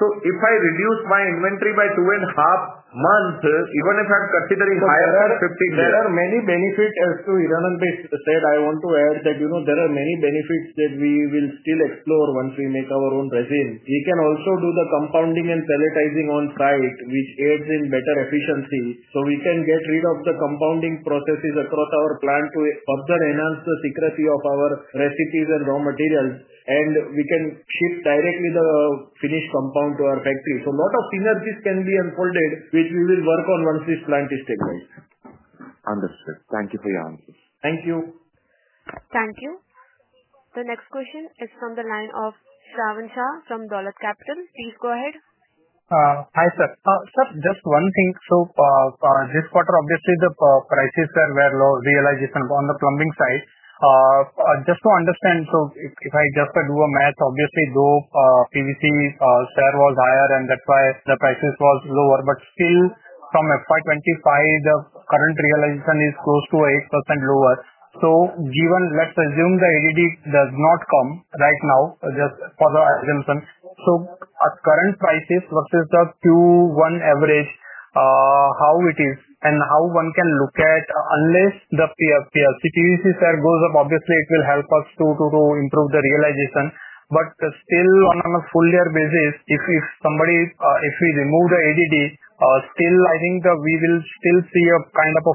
sure. If I reduce my inventory by two and a half months, even if I'm considering higher or 50. There are many benefits, as Hiranand said, I want to add that there are many benefits that we will still explore once we make our own resin. We can also do the compounding and pelletizing on trials, which aids in better efficiency. We can get rid of the compounding processes across our plant to further enhance the secrecy of our recipes and raw materials. We can ship directly the finished compound to our factory. A lot of things like this can be unfolded, which we will work on once this plant is stabilized. Understood. Thank you for your answer. Thank you. Thank you. The next question is from the line of Sravan Shah from Dolat Capital. Please go ahead. Hi, sir. Sir, just one thing. This quarter, obviously, the prices were very low realization on the plumbing side. Just to understand, if I just do a math, obviously, though PVC share was higher and that's why the prices were lower, but still from FY 2025, the current realization is close to 8% lower. Given, let's assume the EDD does not come right now, just for the assumption. Current prices versus the Q1 average, how is it and how one can look at unless the CPVC share goes up, obviously, it will help us to improve the realization. Still, on a full-year basis, if somebody, if we remove the EDD, I think that we will still see a kind of a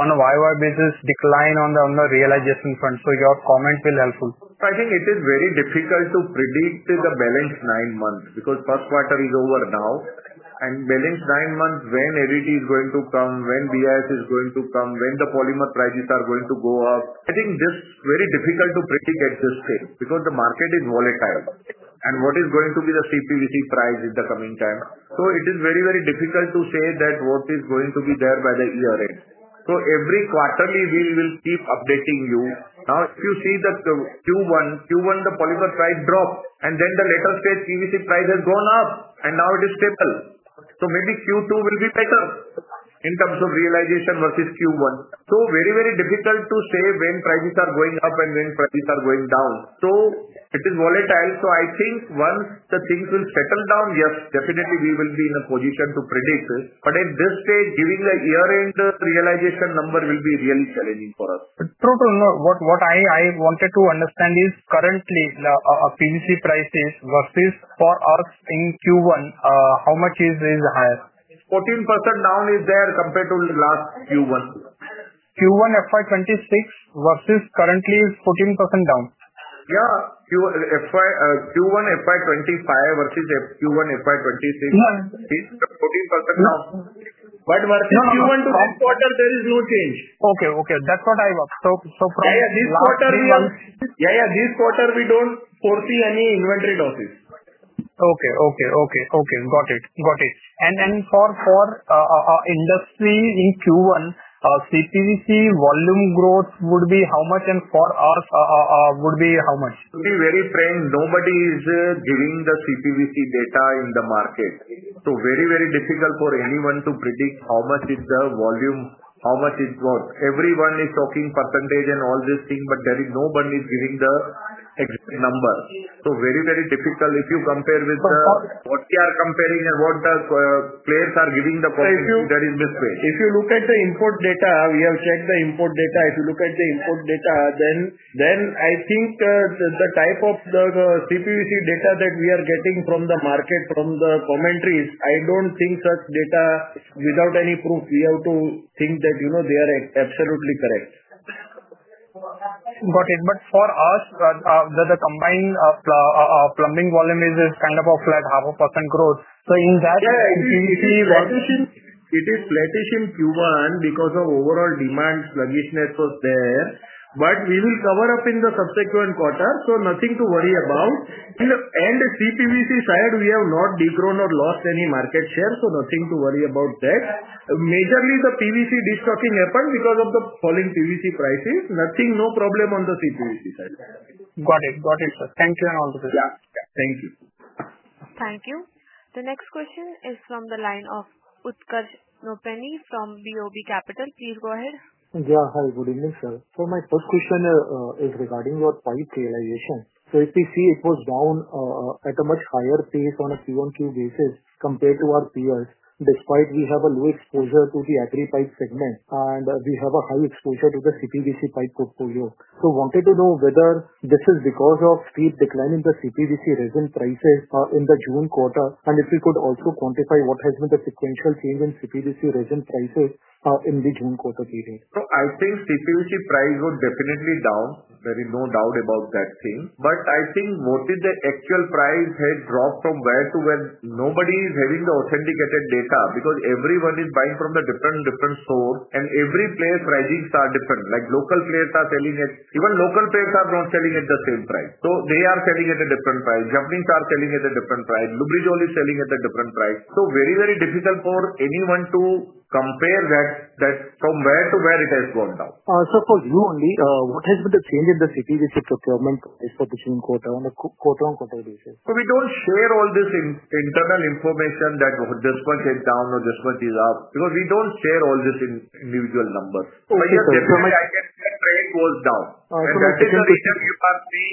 5% on a YoY basis decline on the realization front. Your comment will be helpful. I think it is very difficult to predict the balance nine months because the first quarter is over now. The balance nine months, when EDD is going to come, when BIS is going to come, when the polymer prices are going to go up, I think it is very difficult to predict at this thing because the market is volatile. What is going to be the CPVC price in the coming time? It is very, very difficult to say what is going to be there by the year end. Every quarter, we will keep updating you. Now, if you see that Q1, Q1, the polymer price dropped, and then the latest stage CPVC price has gone up, and now it is stable. Maybe Q2 will be better in terms of realization versus Q1. It is very, very difficult to say when prices are going up and when prices are going down. It is volatile. I think once the things will settle down, yes, definitely we will be in a position to predict. At this stage, giving the year-end realization number will be really challenging for us. What I wanted to understand is currently the PVC prices versus for us in Q1, how much is higher? 14% down is there compared to the last Q1. Q1 FY 2026 versus currently is 14% down. Q1 FY 2025 versus Q1 FY 20``26 is 14% down. Versus Q1 last quarter, there is no change. Okay, okay. That's what I've observed. From this quarter, we are. Yeah, yeah. This quarter, we don't foresee any inventory losses. Got it. For industry in Q1, CPVC volume growth would be how much and for us would be how much? be very frank, nobody is giving the CPVC data in the market. It is very, very difficult for anyone to predict how much is the volume, how much is what. Everyone is talking percentage and all this thing, but there is nobody giving the exact number. It is very, very difficult if you compare with what we are comparing and what the players are giving the questions. There is a mistake. If you look at the import data, we have checked the import data. If you look at the import data, I think the type of the CPVC data that we are getting from the market, from the commentaries, I don't think such data without any proof, we have to think that you know they are absolutely correct. Got it. For us, the combined plumbing volume is kind of a flat 0.5% growth in that. Yes, it is flatish in Q1 because overall demand sluggishness was there. We will cover up in the subsequent quarter, so nothing to worry about. On the CPVC side, we have not decreased or lost any market share, so nothing to worry about there. Majorly, the PVC discharging happened because of the falling PVC prices. Nothing, no problem on the CPVC side. Got it. Got it, sir. Thanks for your answer. Yeah, thank you. Thank you. The next question is from the line of Utkarsh Nopany from BOB Capital. Please go ahead. Yeah. Hi, good evening, sir. My first question is regarding what pipe AI is on. If you see, it was down at a much higher pace on a Q1Q basis compared to our peers, despite we have a low exposure to the agri pipe segment and we have a high exposure to the CPVC pipe portfolio. I wanted to know whether this is because of steep decline in the CPVC resin prices in the June quarter, and if you could also quantify what has been the sequential change in CPVC resin prices in the June quarter period. I think CPVC price was definitely down. There is no doubt about that thing. What is the actual price had dropped from where to where, nobody is having the authenticated data because everyone is buying from different stores and every player's pricing is different. Local players are selling it. Even local players are not selling at the same price. They are selling at a different price. Japanese are selling at a different price. Lubrizol is selling at a different price. Very, very difficult for anyone to compare that, that's from where to where it has gone down. What has been the change in the CPVC procurement price for the June quarter on a quarter-on-quarter basis? We don't share all this internal information that this much is down or this much is up because we don't share all these individual numbers. I said price goes down, that is the reason you can see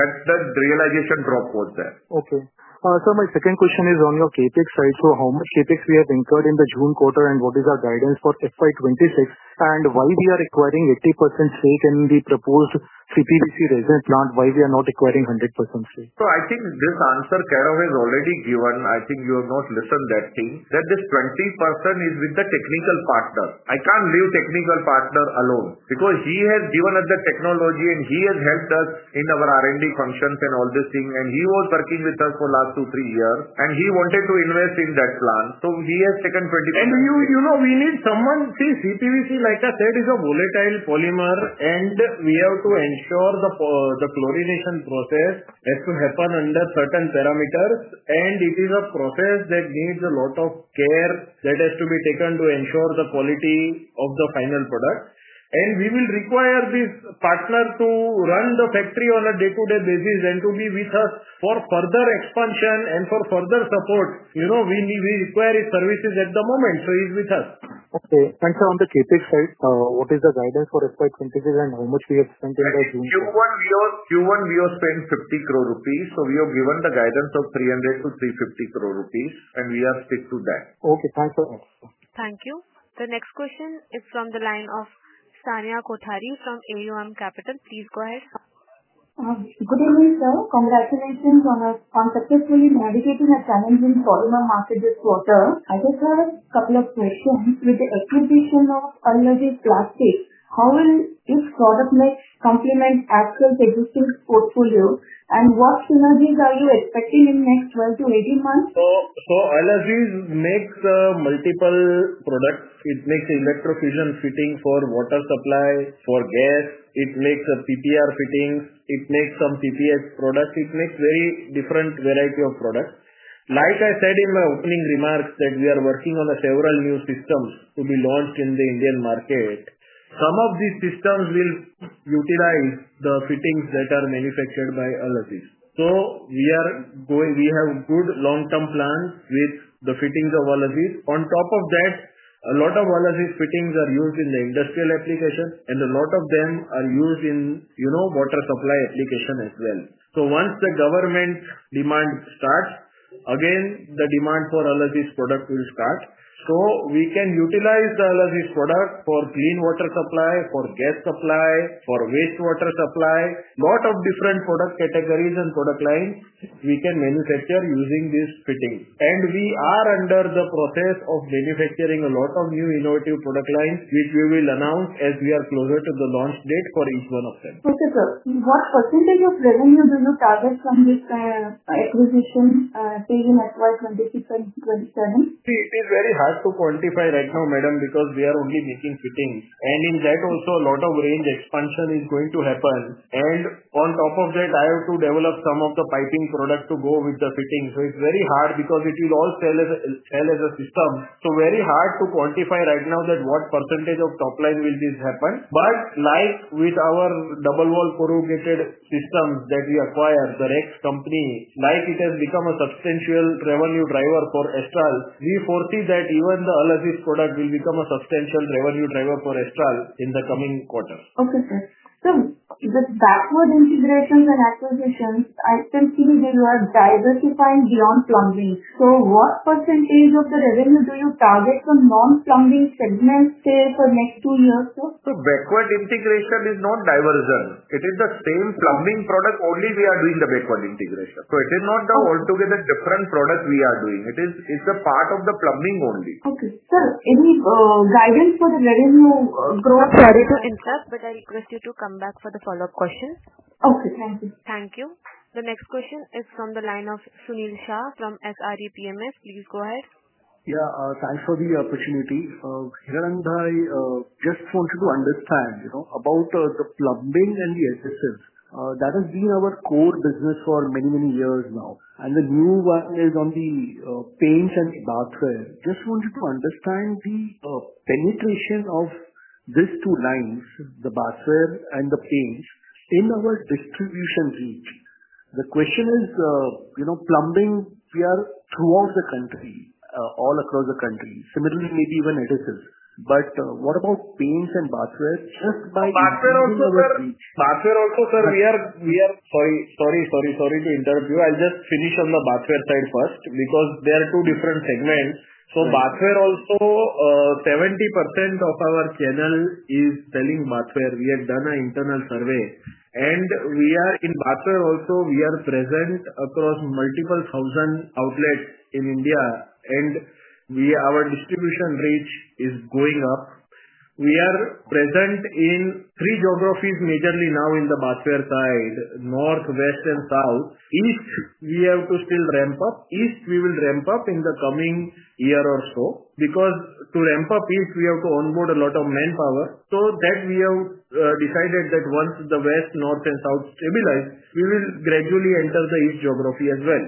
that the realization drop was there. Okay. My second question is on your CapEx side. How much CapEx have we incurred in the June quarter and what is our guidance for FY 2026, and why are we acquiring 80% stake in the proposed CPVC resin plant? Why are we not acquiring 100% stake? I think this answer Kairav has already given. I think you have not listened to that thing that this 20% is with the technical partner. I can't leave technical partner alone because he has given us the technology and he has helped us in our R&D functions and all this thing. He was working with us for the last two, three years and he wanted to invest in that plant. He has taken 20%. You know we need someone, see CPVC, like I said, is a volatile polymer and we have to ensure the chlorination process has to happen under certain parameters. It is a process that needs a lot of care that has to be taken to ensure the quality of the final product. We will require this partner to run the factory on a day-to-day basis and to be with us for further expansion and for further support. You know we require his services at the moment. He's with us. Okay. Sir, on the CapEx side, what is the guidance for FY 2026 and how much have we spent in it as of the June quarter? Q1, we have spent 50 crore rupees. We have given the guidance of 300 crore-350 crore rupees, and we have stuck to that. Okay, thanks for your answer. Thank you. The next question is from the line of Saniya Kothari from AUM Capital. Please go ahead. Good evening, sir. Congratulations on conceptually navigating a challenging polymer market this quarter. I just heard a couple of great points with the excitation of Al-Aziz Plastics. How will this product complement Astral's existing portfolio? What synergies are you expecting in the next 12-18 months? Al-Aziz makes multiple products. It makes electro-fusion fitting for water supply, for gas. It makes a PPR fitting. It makes some PPS products. It makes very different variety of products. Like I said in my opening remarks, we are working on several new systems to be launched in the Indian market. Some of these systems will utilize the fittings that are manufactured by Al-Aziz. We have good long-term plans with the fittings of Al-Aziz. On top of that, a lot of Al-Aziz's fittings are used in the industrial application and a lot of them are used in water supply application as well. Once the government demand starts, again, the demand for Al-Aziz's product will start. We can utilize the Al-Aziz's product for clean water supply, for gas supply, for wastewater supply. A lot of different product categories and product lines we can manufacture using these fittings. We are under the process of manufacturing a lot of new innovative product lines, which we will announce as we are closer to the launch date for each one of them. Okay, sir. What percentage of revenue do you target from this acquisition, even FY 2026 and FY 2027? It is very hard to quantify right now, madam, because we are only making fittings. In that, also a lot of range expansion is going to happen. On top of that, I have to develop some of the plumbing products to go with the fittings. It is very hard because it will all sell as a system. It is very hard to quantify right now what percentage of top line this will happen. Like with our double wall corrugated systems that we acquired, the Rex company, it has become a substantial revenue driver for Astral. We foresee that even the Al-Aziz's product will become a substantial revenue driver for Astral in the coming quarter. Okay, sir. Sir, with backward integration and acquisitions, I sense we will be diversifying beyond plumbing. What % of the revenue do you target from non-plumbing segments for the next two years, sir? The backward integration is non-diversion. It is the same plumbing product, only we are doing the backward integration. It is not an altogether different product we are doing. It is a part of the plumbing only. Okay, sir. Any guidance for the revenue growth? Sorry to interrupt, but I requested you come back for the follow-up question. Okay, thank you. Thank you. The next question is from the line of Sunil Shah from SRE PMS. Please go ahead. Yeah, thanks for the opportunity. I am just wanting to understand, you know, about the plumbing and the adhesives. That has been our core business for many, many years now. The new one is on the paints and Bathware. Just wanted to understand the penetration of these two lines, the Bathware and the paints, in our distribution reach. The question is, you know, plumbing, we are throughout the country, all across the country, similarly maybe even adhesives. What about paints and Bathware? Bathware also, sir. We are, sorry to interrupt you. I'll just finish on the Bathware side first because there are two different segments. Bathware also, 70% of our channel is selling Bathware. We have done an internal survey, and we are in Bathware also. We are present across multiple thousand outlets in India, and our distribution reach is going up. We are present in three geographies majorly now in the Bathware side: north, west, and south. East, we have to still ramp up. East, we will ramp up in the coming year or so because to ramp up east, we have to onboard a lot of manpower. We have decided that once the west, north, and south stabilize, we will gradually enter the east geography as well.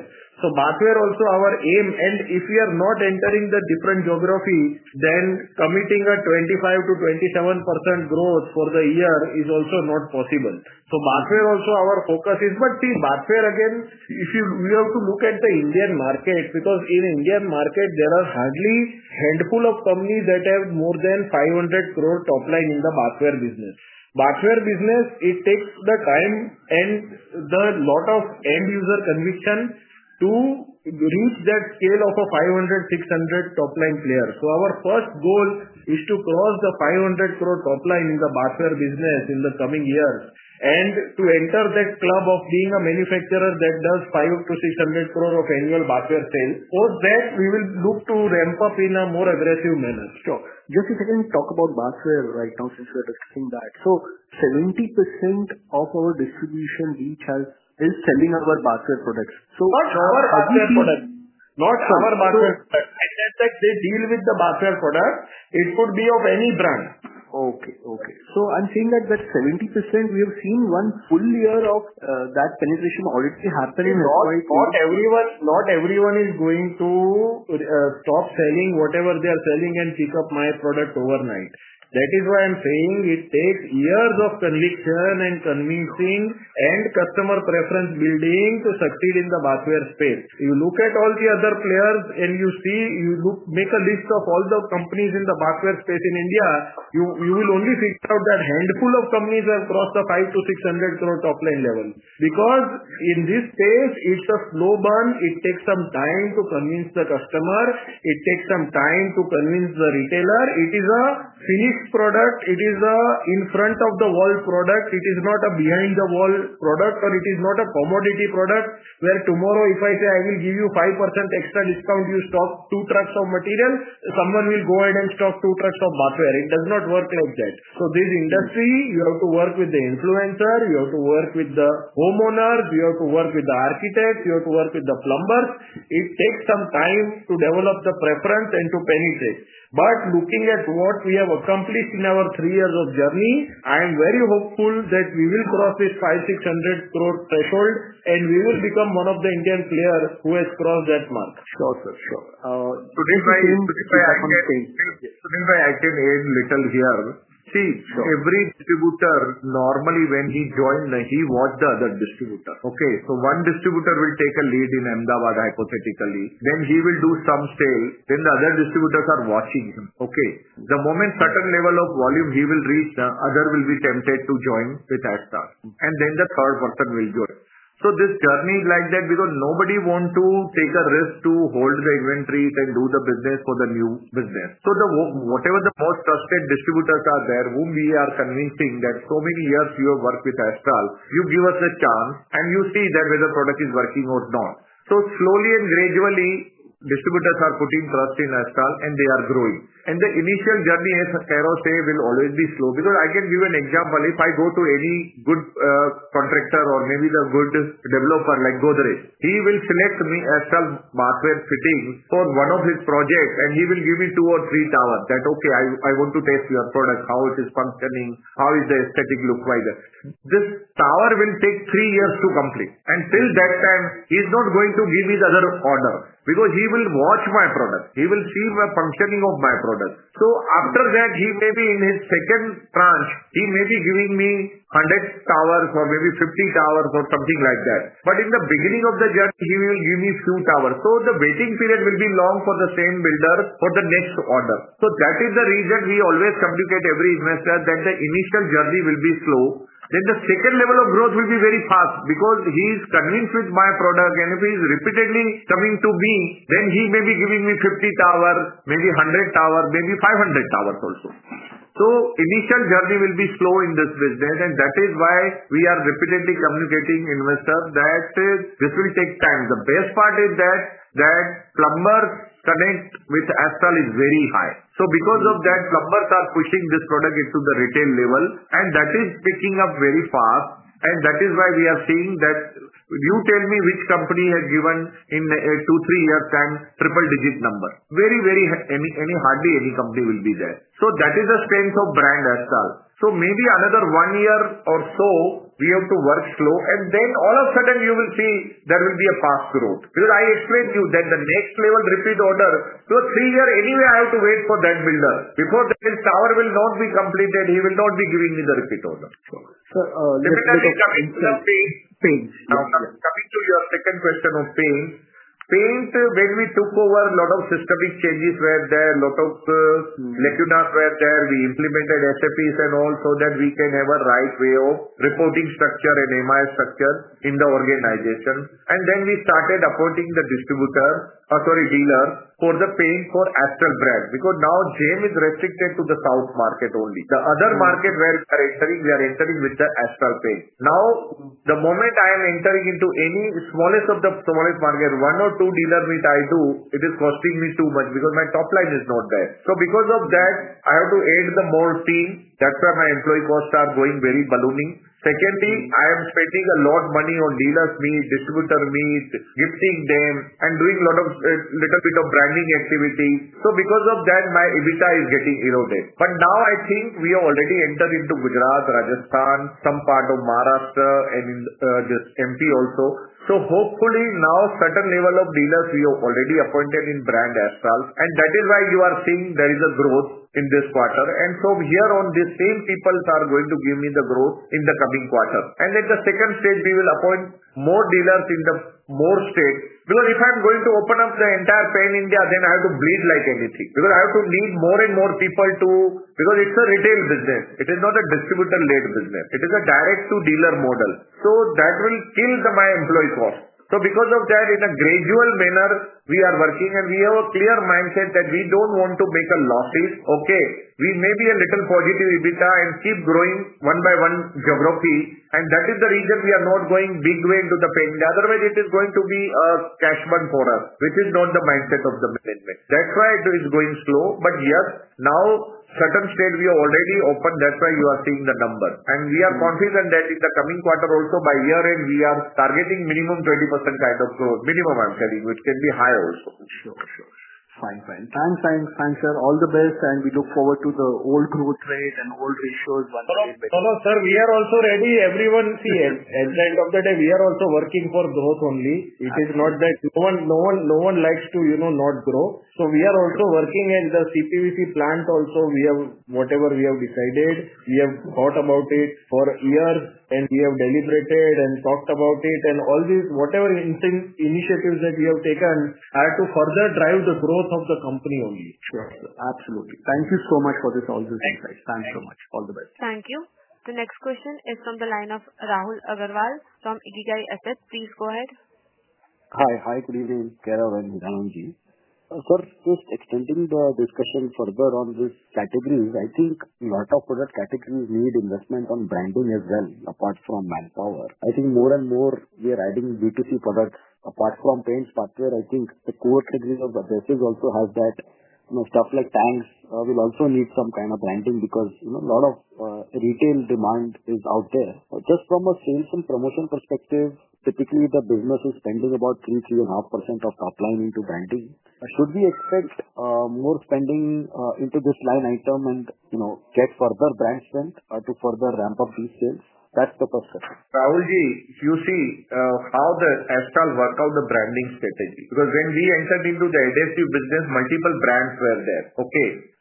Bathware also our aim. If we are not entering the different geography, then committing a 25%-27% growth for the year is also not possible. Bathware also our focus is. Bathware again, we have to look at the Indian market because in the Indian market, there are hardly a handful of companies that have more than INR 500 crore top line in the Bathware business. Bathware business, it takes the time and a lot of end-user conviction to reach that scale of a 500, 600 crore top line player. Our first goal is to cross the 500 crore top line in the Bathware business in the coming years and to enter that club of being a manufacturer that does 500 to 600 crore of annual Bathware sales. We will look to ramp up in a more aggressive manner. Just a second, talk about Bathware right now since we're discussing that. 70% of our distribution reach is selling our Bathware products. Not our Bathware products. I said that they deal with the Bathware products. It could be of any brand. Okay. I'm saying that that 70%, we have seen one full year of that penetration already happening. Not everyone is going to stop selling whatever they are selling and pick up my product overnight. That is why I'm saying it takes years of conviction and convincing and customer preference building to succeed in the Bathware space. You look at all the other players and you see, you look, make a list of all the companies in the Bathware space in India. You will only see that a handful of companies have crossed the 500-600 crore top line level because in this space, it's a slow burn. It takes some time to convince the customer. It takes some time to convince the retailer. It is a finished product. It is an in front of the wall product. It is not a behind the wall product or it is not a commodity product where tomorrow, if I say I will give you 5% extra discount, you stock two trucks of materials, someone will go ahead and stock two trucks of Bathware. It does not work like that. This industry, you have to work with the influencer. You have to work with the homeowner. You have to work with the architect. You have to work with the plumbers. It takes some time to develop the preference and to penetrate. Looking at what we have accomplished in our three years of journey, I am very hopeful that we will cross this 500 crore, 600 crore threshold and we would become one of the Indian players who has crossed that mark. Sure, sir. Sunil, I can add little here. See every distributor, normally when he joined, he watched the other distributor. One distributor will take a lead in Ahmedabad hypothetically. He will do some sales. The other distributors are watching him. The moment a certain level of volume he will reach, the other will be tempted to join with Astral. The third person will join. This journey is like that because nobody wants to take a risk to hold the inventories and do the business for the new business. Whatever the most trusted distributors are there, whom we are convincing that so many years you have worked with Astral, you give us a chance and you see that whether the product is working or not. Slowly and gradually, distributors are putting trust in Astral and they are growing. The initial journey, as Kairav said, will always be slow because I can give an example. If I go to any good contractor or maybe the good developer like Godrej, he will select me, Astral Bathware fitting, for one of his projects and he will give me two or three towers that, okay, I want to test your product, how it is functioning, how is the aesthetic look wise. This tower will take three years to complete. Until that time, he's not going to give me the other order because he will watch my product. He will see the functioning of my product. After that, he may be in his second tranche. He may be giving me 100 towers or maybe 50 towers or something like that. In the beginning of the journey, he will give me a few towers. The waiting period will be long for the same builder for the next order. That is the reason we always communicate to every investor that the initial journey will be slow. The second level of growth will be very fast because he is convinced with my product. If he is repeatedly coming to me, then he may be giving me 50 towers, maybe 100 towers, maybe 500 towers also. The initial journey will be slow in this business. That is why we are repeatedly communicating to investors that this will take time. The best part is that plumbers' connection with Astral is very high. Because of that, plumbers are pushing this product into the retail level. That is picking up very fast. That is why we are seeing that you tell me which company has given in two, three years' time triple digit number. Very, very hardly any company will be there. That is the strength of brand Astral. Maybe another one year or so, we have to work slow, and then all of a sudden, you will see there will be a fast growth. Because I explained to you, then the next level repeat order, because three years anyway, I have to wait for that builder. Because his tower will not be completed, he will not be giving me the repeat order. Let me just interrupt you. Coming to your second question of paint, paint, when we took over a lot of systemic changes were there, a lot of lecture notes were there. We implemented SAPs and all so that we can have a right way of reporting structure and MIS structure in the organization. Then we started appointing the distributors, factory dealers for the paint for Astral brand because now Jame is restricted to the south market only. The other markets we are entering, we are entering with the Astral paint. The moment I am entering into any smallest of the smallest market, one or two dealers which I do, it is costing me too much because my top line is not there. Because of that, I have to add the more things. That's why my employee costs are going very ballooning. Secondly, I am spending a lot of money on dealers' needs, distributor needs, gifting them, and doing a little bit of branding activity. Because of that, my EBITDA is getting eroded. I think we have already entered into Gujarat, Rajasthan, some part of Maharashtra, and in this MP also. Hopefully, now certain level of dealers we have already appointed in brand Astral. That is why you are seeing there is a growth in this quarter. From here on, the same people are going to give me the growth in the coming quarter. At the second stage, we will appoint more dealers in the more states because if I'm going to open up the entire pan India, then I have to bleed like anything because I have to need more and more people because it's a retail business. It is not a distributor-led business. It is a direct-to-dealer model. That will kill my employee cost. Because of that, in a gradual manner, we are working and we have a clear mindset that we don't want to make a loss. Okay, we may be a little positive EBITDA and keep growing one by one geography and. is the reason we are not going big way into the payment. Otherwise, it is going to be a cash run for us, which is not the mindset of the management. That is why it is going slow. Yes, now certain states we are already open. That is why you are seeing the number. We are confident that in the coming quarter, also by year end, we are targeting minimum 20% kind of growth. Minimum, I'm telling you, which can be high also. Sure, fine. Thanks, sir. All the best and we look forward to the old growth rates and old ratios. No, sir, we are also ready. Everyone, at the end of the day, we are also working for growth only. It is not that no one likes to, you know, not grow. We are also working in the CPVC plant. Whatever we have decided, we have thought about it for years and we have deliberated and talked about it. All these initiatives that we have taken are to further drive the growth of the company only. Sure, absolutely. Thank you so much for all these insights. Thanks so much. All the best. Thank you. The next question is from the line of Rahul Agarwal from IKIGAI Asset. Please go ahead. Hi, good evening, Kairav Engineer. Of course, just extending the discussion further on these categories. I think a lot of product categories need investment on branding as well, apart from manpower. I think more and more we are adding B2C products, apart from paint, Bathware. I think the core thing is about it also has that, you know, stuff like fans will also need some kind of branding because, you know, a lot of retail demand is out there. Just from a sales and promotion perspective, typically the business is spending about 3%-3.5% of top line into branding. Should we expect more spending into this line item and, you know, get further brand spend to further ramp up these sales? That's the first question. Rahul Ji, if you see how Astral worked out the branding strategy, because when we entered into the HSC business, multiple brands were there.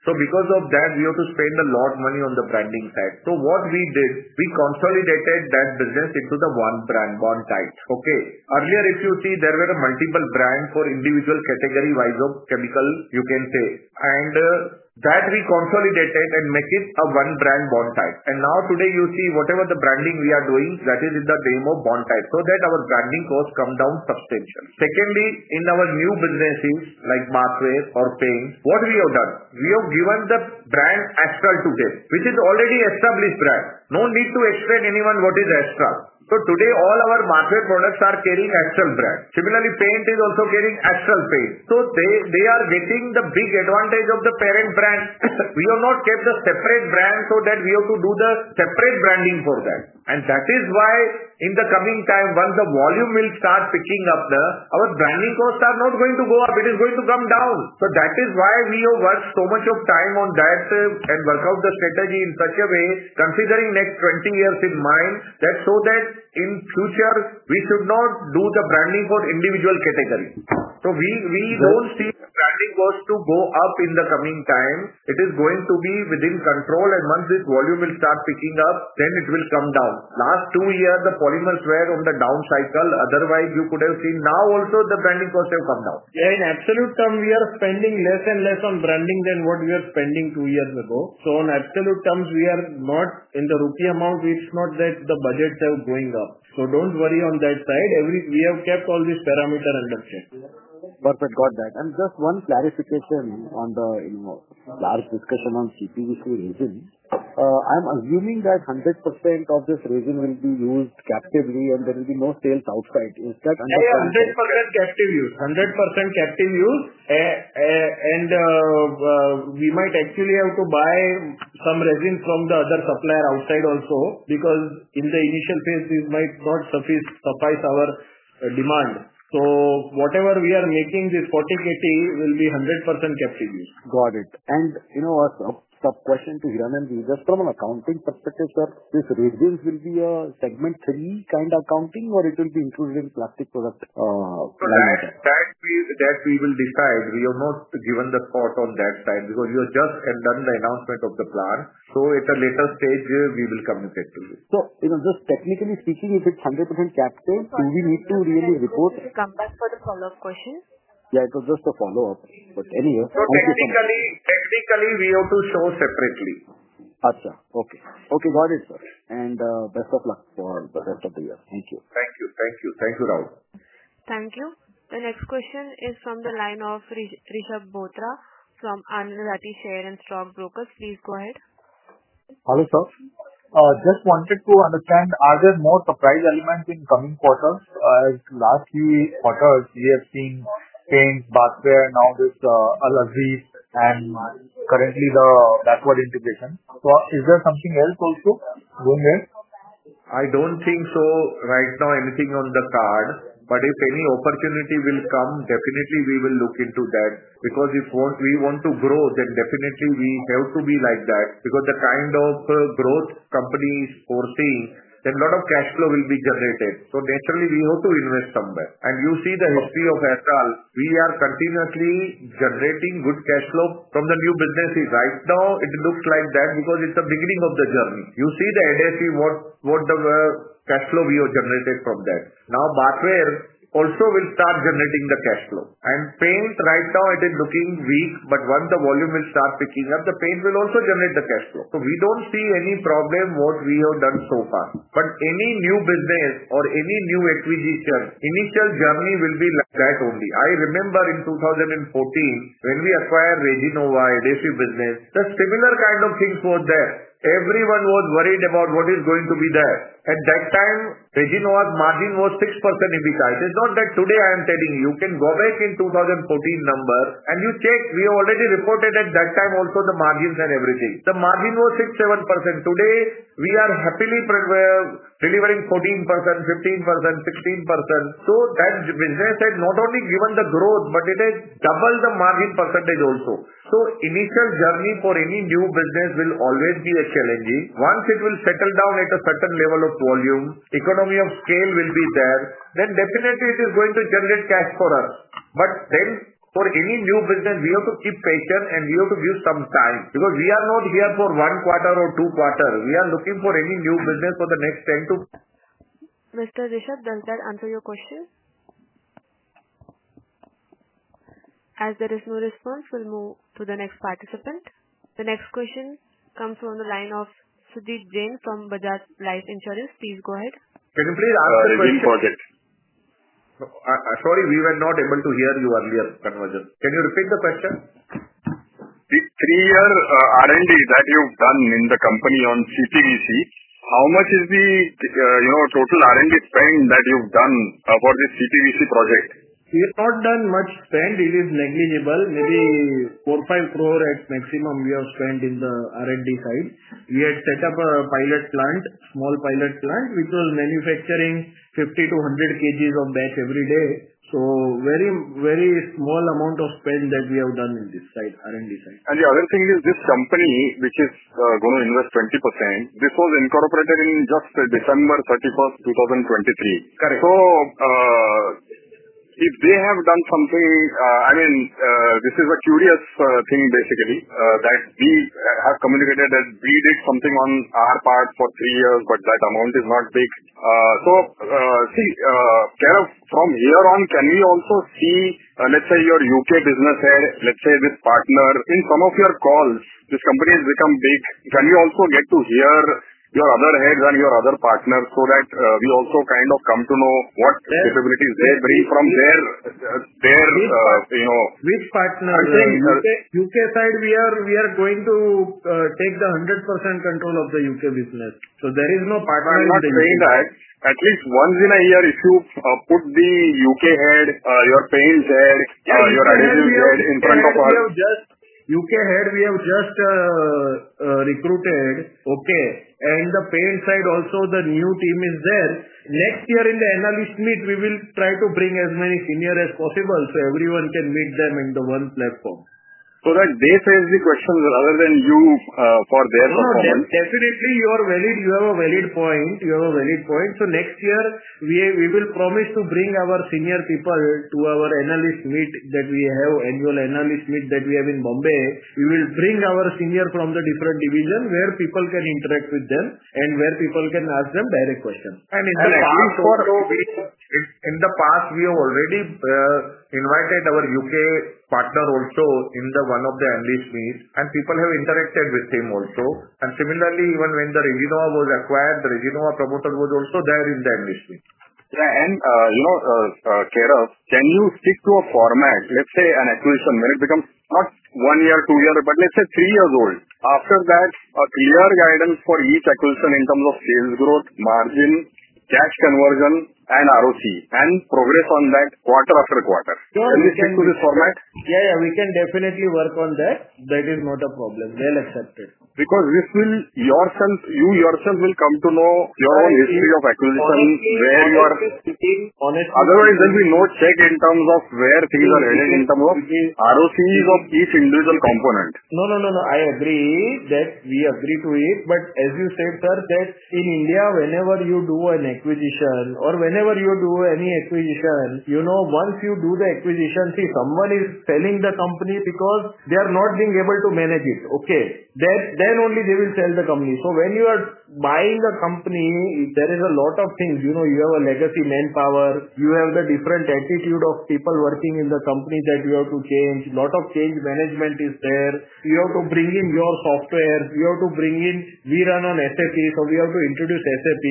Because of that, we had to spend a lot of money on the branding side. What we did, we consolidated that business into the one brand, one type. Earlier, if you see, there were multiple brands for individual category wise of chemical, you can say. That we consolidated and made it a one brand bond type. Now today you see whatever the branding we are doing, that is in the name of bond type, so that our branding costs come down substantially. Secondly, in our new businesses like Bathware or paint, what we have done, we have given the brand Astral to them, which is already an established brand. No need to explain to anyone what is Astral. Today all our Bathware products are carrying Astral brand. Similarly, paint is also carrying Astral paint. They are getting the big advantage of the parent brand. We have not kept the separate brand so that we have to do the separate branding for them. That is why in the coming time, once the volume will start picking up, our branding costs are not going to go up. It is going to come down. That is why we have worked so much time on that and worked out the strategy in such a way, considering next 20 years in mind, so that in the future we should not do the branding for individual categories. We don't see branding costs to go up in the coming time. It is going to be within control, and once the volume will start picking up, then it will come down. Last two years, the polymers were on the down cycle. Otherwise, you could have seen now also the branding costs have come down. In absolute terms, we are spending less and less on branding than what we were spending two years ago. In absolute terms, we are not in the rupee amounts. It's not that the budgets are going up. Don't worry on that side. We have kept all these parameters under sales costs. Perfect. Got that. Just one clarification on the large discussion on CPVC resin. I'm assuming that 100% of this resin will be used captively and there will be no sales outside. Is that understood? Yeah, 100% captive use. 100% captive use. We might actually have to buy some resins from the other supplier outside also because in the initial phase, it might not suffice our demand. Whatever we are making, this 40KT will be 100% captive use. Got it. You know what's up? Question to Hiranandji Savlani. Just from an accounting perspective, sir, this will be a segment three kind of accounting, or it will be included in the plastic product? That we will decide. We have not given the thought on that side because we have just done the announcement of the plan. At a later stage, we will communicate to you. Technically speaking, if it's 100% captive, do we need to really report? Can we come back for the follow-up question? Yeah, it was just a follow-up. Anyway, thank you. Technically, we have to show separately. Okay, got it, sir. Best of luck for the rest of the year. Thank you. Thank you. Thank you. Thank you, Rahul. Thank you. The next question is from the line of Rishab Bothra from Anand Rathi Shares and Stock Brokers. Please go ahead. Hi, sir. Just wanted to understand, are there more surprise elements in coming quarters? Last few quarters, we have seen paints, Bathware, now this Al-Aziz, and currently the backward integration. Is there something else also going on? I don't think so right now, anything on the card. If any opportunity will come, definitely we will look into that. If we want to grow, then definitely we have to be like that. The kind of growth companies foresee, then a lot of cash flow will be generated. Naturally, we have to invest somewhere. You see the history of Astral. We are continuously generating good cash flow from the new businesses. Right now, it looks like that because it's the beginning of the journey. You see the HSC, what the cash flow we have generated from that. Now, Bathware also will start generating the cash flow. Paint, right now, it is looking weak. Once the volume will start picking up, the paint will also generate the cash flow. We don't see any problem what we have done so far. Any new business or any new acquisition, initial journey will be like that only. I remember in 2014, when we acquired Resinova adhesive business, the similar kind of things were there. Everyone was worried about what is going to be there. At that time, Resinova's margin was 6%. It is not that today I am telling you. You can go back in 2014 number and you check. We have already reported at that time also the margins and everything. The margin was 6-7%. Today, we are happily delivering 14%, 15%, 16%. That business has not only given the growth, but it has doubled the margin percentage also. Initial journey for any new business will always be challenging. Once it will settle down at a certain level of volume, economy of scale will be there, then definitely it is going to generate cash for us. For any new business, we have to keep patience and we have to give some time because we are not here for one quarter or two quarters. We are looking for any new business for the next 10 to. Mr. Ritshab, does that answer your question? As there is no response, we'll move to the next participant. The next question comes from the line of Sandeep Jain from Bajaj Life Insurance. Please go ahead. Sorry, we were not able to hear you earlier, convergence. Can you repeat the question? Three-year R&D that you've done in the company on CPVC, how much is the, you know, total R&D spend that you've done for this CPVC project? We have not done much spend. It is negligible. Maybe 4 crore or 5 crore at maximum we have spent in the R&D side. We had set up a pilot plant, small pilot plant, which was manufacturing 50-100 kg of batch every day. A very, very small amount of spend that we have done in this side, R&D side. The other thing is this company, which is going to invest 20%, was incorporated on December 31st, 2023. Correct. If they have done something, I mean, this is a curious thing, basically, that we have communicated that we did something on our part for three years, but that amount is not big. See, Kairav, from here on, can we also see, let's say your U.K business head, let's say this partner, I think some of your calls, this company has become big. Can we also get to hear your other heads and your other partners so that we also kind of come to know what capabilities they bring from their, you know. Which partner thing, sir? U.K side, we are going to take the 100% control of the U.K business. There is no partner thing. I'm not saying that. At least once in a year, if you put the U.K head, your paint head, your adhesive head in front of us. We have just U.K head, we have just recruited, okay. The paint side also, the new team is there. Next year in the analyst meet, we will try to bring as many seniors as possible so everyone can meet them on one platform. Correct. They save the questions rather than you for theirs. No, definitely you have a valid point. You have a valid point. Next year, we will promise to bring our senior people to our analyst meet that we have, annual analyst meet that we have in Bombay. We will bring our seniors from the different divisions where people can interact with them and where people can ask them direct questions. In the past, we have already invited our U.K partner also in one of the analyst meets, and people have interacted with him also. Similarly, even when Reginova was acquired, the Reginova promoter was also there in the analyst meet. Kairav, can you stick to a format, let's say an acquisition, when it becomes not one year, two years, but let's say three years old? After that, your guidance for each acquisition in terms of sales growth, margin, cash conversion, and ROC, and progress on that quarter after quarter. Can you stick to this format? Yeah, yeah, we can definitely work on that. That is not a problem. They'll accept it. Because this will, you yourself will come to know your own history of acquisition, where you are sitting on it. Otherwise, there will be no check in terms of where things are heading in terms of the ROCs of each individual component. I agree that we agree to it. As you said, sir, in India, whenever you do an acquisition or whenever you do any acquisition, once you do the acquisition, someone is selling the company because they are not being able to manage it. Only then will they sell the company. When you are buying the company, there are a lot of things. You have a legacy manpower. You have the different attitude of people working in the company that you have to change. A lot of change management is there. You have to bring in your software. We run on SAP, so we have to introduce SAP.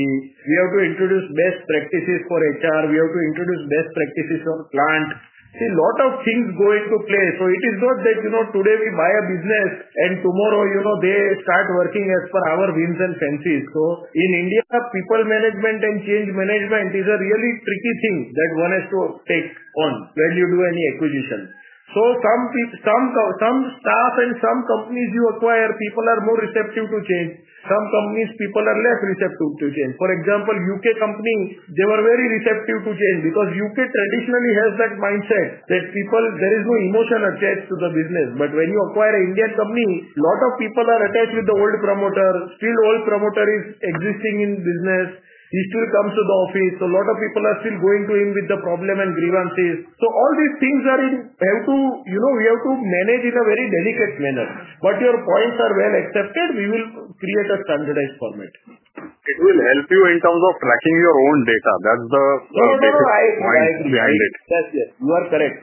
We have to introduce best practices for HR. We have to introduce best practices for clients. A lot of things go into play. It is not that today we buy a business and tomorrow they start working as per our whims and fancies. In India, people management and change management is a really tricky thing that one has to take on when you do any acquisition. Some people, some staff and some companies you acquire, people are more receptive to change. Some companies, people are less receptive to change. For example, U.K companies, they were very receptive to change because U.K traditionally has that mindset that people, there is no emotion attached to the business. When you acquire an Indian company, a lot of people are attached with the old promoter. Still, the old promoter is existing in the business. He still comes to the office. A lot of people are still going to him with the problem and grievances. All these things are in, we have to manage in a very delicate manner. Your points are well accepted. We will create a standardized format. It will help you in terms of tracking your own data. That's it. You are correct.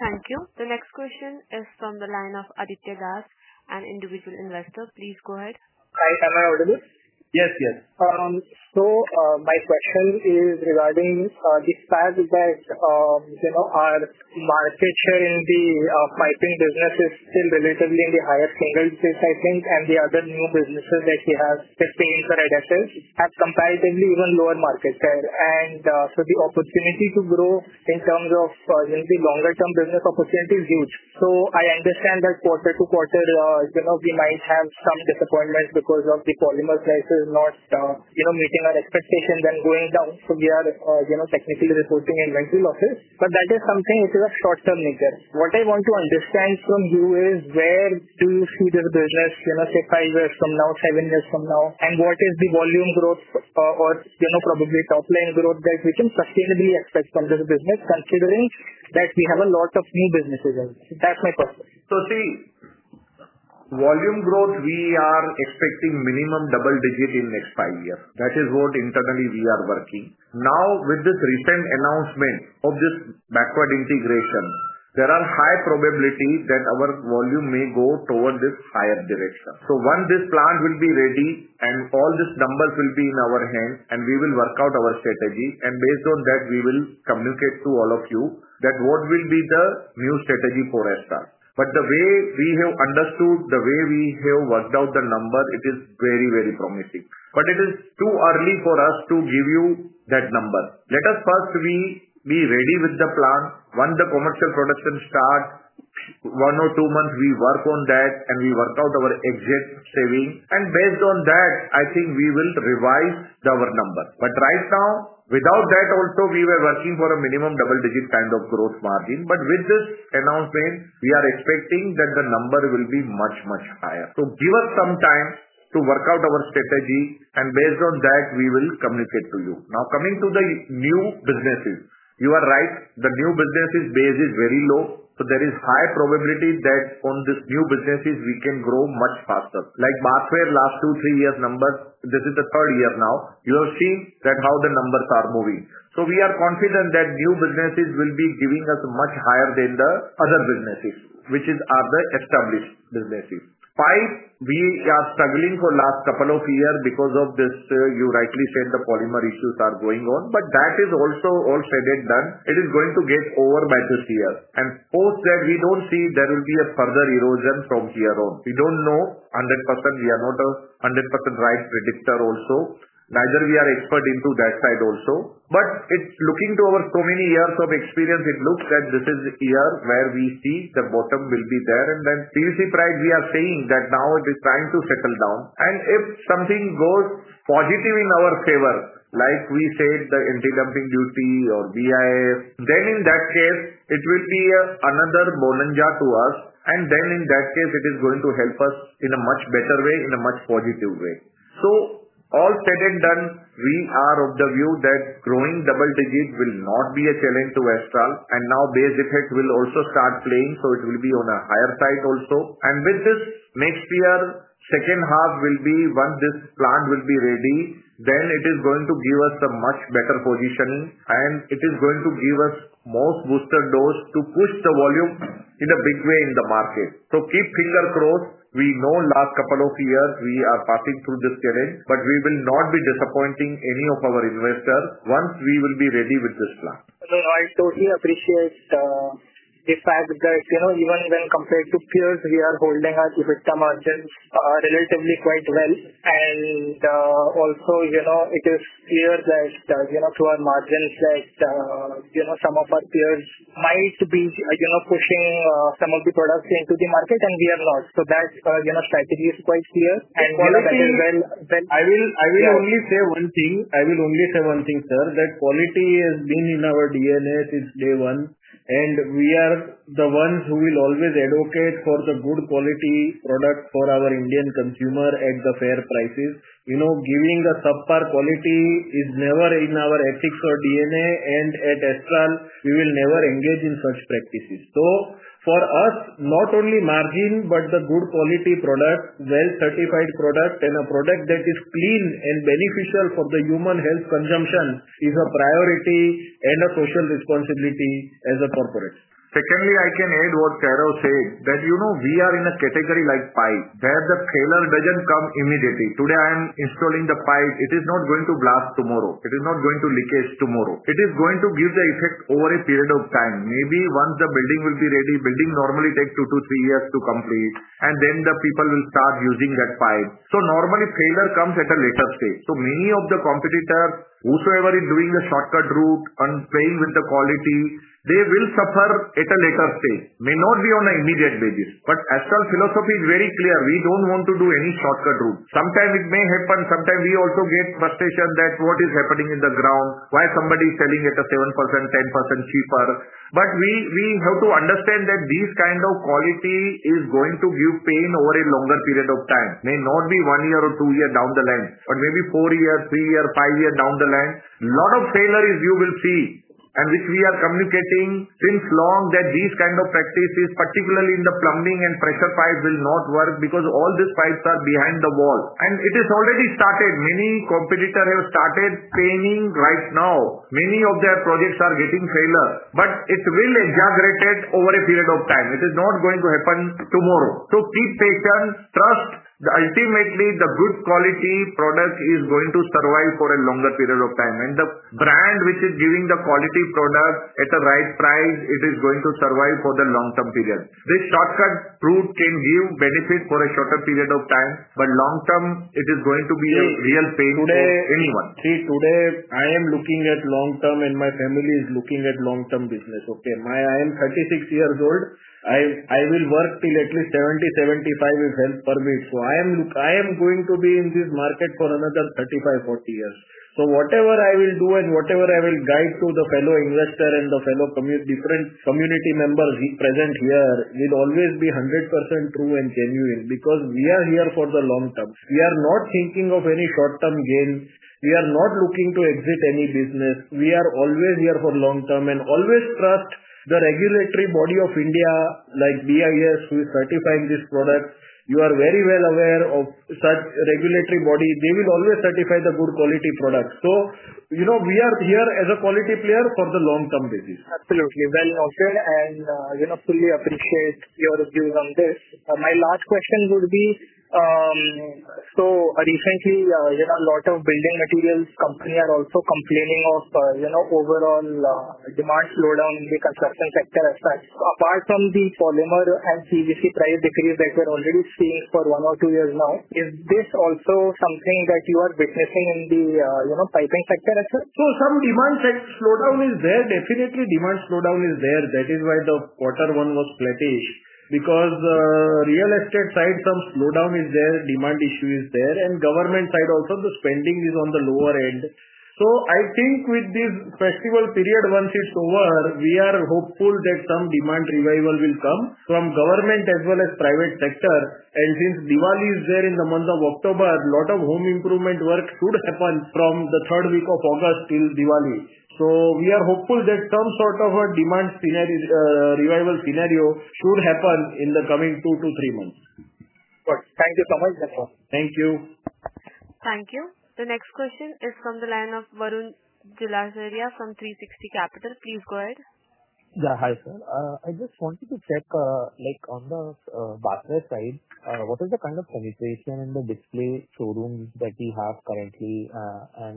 Thank you. The next question is from the line of Aditya Das, an individual investor. Please go ahead. Hi, Kairav Engineer. Yes, yes. My question is regarding the fact that, you know, our market share in the piping business is still relatively in the higher single digits, I think. The other new businesses that we have just introduced have comparatively even lower market share, and the opportunity to grow in terms of, let's say, longer-term business opportunity is huge. I understand that quarter-to-quarter, you know, we might have some disappointments because of the polymer prices not, you know, meeting our expectations and going down. We are, you know, technically resulting in inventory losses, but that is something which is a short-term matter. What I want to understand from you is where do you see this business, you know, five years from now, seven years from now, and what is the volume growth or, you know, probably top line growth that we can sustainably expect from this business, considering that we have a lot of new businesses? That's my question. See, volume growth, we are expecting minimum double digit in the next five years. That is what internally we are working. Now, with this recent announcement of this backward integration, there are high probabilities that our volume may go toward this higher direction. Once this plant will be ready and all these numbers will be in our hands, we will work out our strategy, and based on that, we will communicate to all of you what will be the new strategy for Astral. The way we have understood, the way we have worked out the number, it is very, very promising. It is too early for us to give you that number. Let us first be ready with the plan. When the commercial production starts, one or two months, we work on that and we work out our exit savings. Based on that, I think we will revise our number. Right now, without that, also we were working for a minimum double digit kind of growth margin. With this announcement, we are expecting that the number will be much, much higher. Give us some time to work out our strategy, and based on that, we will communicate to you. Now, coming to the new businesses, you are right. The new businesses' base is very low. There is a high probability that on these new businesses, we can grow much faster. Like Bathware, last two, three years' numbers, this is the third year now. You have seen that how the numbers are moving. We are confident that new businesses will be giving us much higher than the other businesses, which are the established businesses. We are struggling for the last couple of years because of this, you rightly said, the polymer issues are going on. That is also all said and done. It is going to get over by this year. Post that, we don't see there will be a further erosion from here on. We don't know 100%. We are not a 100% right predictor also. Neither are we expert into that side also. Looking to our so many years of experience, it looks that this is the year where we see the bottom will be there. CPVC price, we are seeing that now it is trying to settle down. If something goes positive in our favor, like we said, the anti-dumping duty or BIS, in that case, it will be another bonanza to us. In that case, it is going to help us in a much better way, in a much positive way. All said and done, we are of the view that growing double digit will not be a challenge to Astral. Now base effects will also start playing. It will be on a higher side also. With this, next year, second half will be once this plant will be ready, then it is going to give us a much better positioning. It is going to give us a more boosted dose to push the volume in a big way in the market. Keep fingers crossed. We know the last couple of years we are passing through this challenge, but we will not be disappointing any of our investors once we will be ready with this plan. I totally appreciate the fact that, even when compared to peers, we are holding our CPVC margins relatively quite well. It is clear that, through our margins, some of our peers might be pushing some of the products into the market, and we are not. That strategy is quite clear. I will only say one thing, sir, that quality has been in our DNA since day one. We are the ones who will always advocate for the good quality product for our Indian consumer at the fair prices. You know, giving a subpar quality is never in our ethics or DNA. At Astral, we will never engage in such practices. For us, not only margin, but the good quality product, well-certified product, and a product that is clean and beneficial for the human health consumption is a priority and a crucial responsibility as a corporation. Secondly, I can add what Kairav said, that, you know, we are in a category like pipe, where the failure doesn't come immediately. Today, I am installing the pipe. It is not going to blast tomorrow. It is not going to leakage tomorrow. It is going to give the effect over a period of time. Maybe once the building will be ready, building normally takes two to three years to complete, and then the people will start using that pipe. Normally, failure comes at a later stage. Many of the competitors, whosoever is doing the shortcut route and playing with the quality, they will suffer at a later stage. It may not be on an immediate basis. Astral's philosophy is very clear. We don't want to do any shortcut route. Sometimes it may happen. Sometimes we also get frustration that what is happening in the ground, why somebody is selling it at 7%, 10% cheaper. We have to understand that this kind of quality is going to give pain over a longer period of time. It may not be one year or two years down the line, but maybe four years, three years, five years down the line. A lot of failures, you will see, and which we are communicating since long, that this kind of practice, particularly in the plumbing and pressure pipes, will not work because all these pipes are behind the wall. It has already started. Many competitors have started training right now. Many of their projects are getting failure. It will exaggerate it over a period of time. It is not going to happen tomorrow. Keep patience. Trust. Ultimately, the good quality product is going to survive for a longer period of time. The brand which is giving the quality product at the right price, it is going to survive for the long-term period. This shortcut route can give benefit for a shorter period of time, but long-term, it is going to be a real pain for anyone. See, today I am looking at long-term, and my family is looking at long-term business. I am 36 years old. I will work till at least 70, 75 if health permits. I am going to be in this market for another 35, 40 years. Whatever I will do and whatever I will guide to the fellow investor and the fellow community members present here, it will always be 100% true and genuine because we are here for the long-term. We are not thinking of any short-term gain. We are not looking to exit any business. We are always here for long-term and always trust the regulatory body of India, like BIS, who is certifying this product. You are very well aware of such regulatory bodies. They will always certify the good quality product. We are here as a quality player for the long-term business. Absolutely. I absolutely appreciate your views on this. My last question would be, recently, you know, a lot of building materials companies are also complaining of, you know, overall demand slowdown in the construction sector. Apart from the polymer and CPVC price decrease that we are already seeing for one or two years now, is this also something that you are witnessing in the, you know, piping sector? Some demand slowdown is there. Definitely, demand slowdown is there. That is why the quarter one was plenty, because the real estate side, some slowdown is there. Demand issue is there, and government side also, the spending is on the lower end. I think with this festival period, once it's over, we are hopeful that some demand revival will come from government as well as private sector. Since Diwali is there in the month of October, a lot of home improvement works could happen from the third week of August till Diwali. We are hopeful that some sort of a demand revival scenario should happen in the coming two to three months. Thank you so much, sir. Thank you. Thank you. The next question is from the line of Varun Jelasarya from 360 Capital. Please go ahead. Yeah, hi, sir. I just wanted to check, on the backward side, what is the kind of communication and the display showrooms that we have currently? I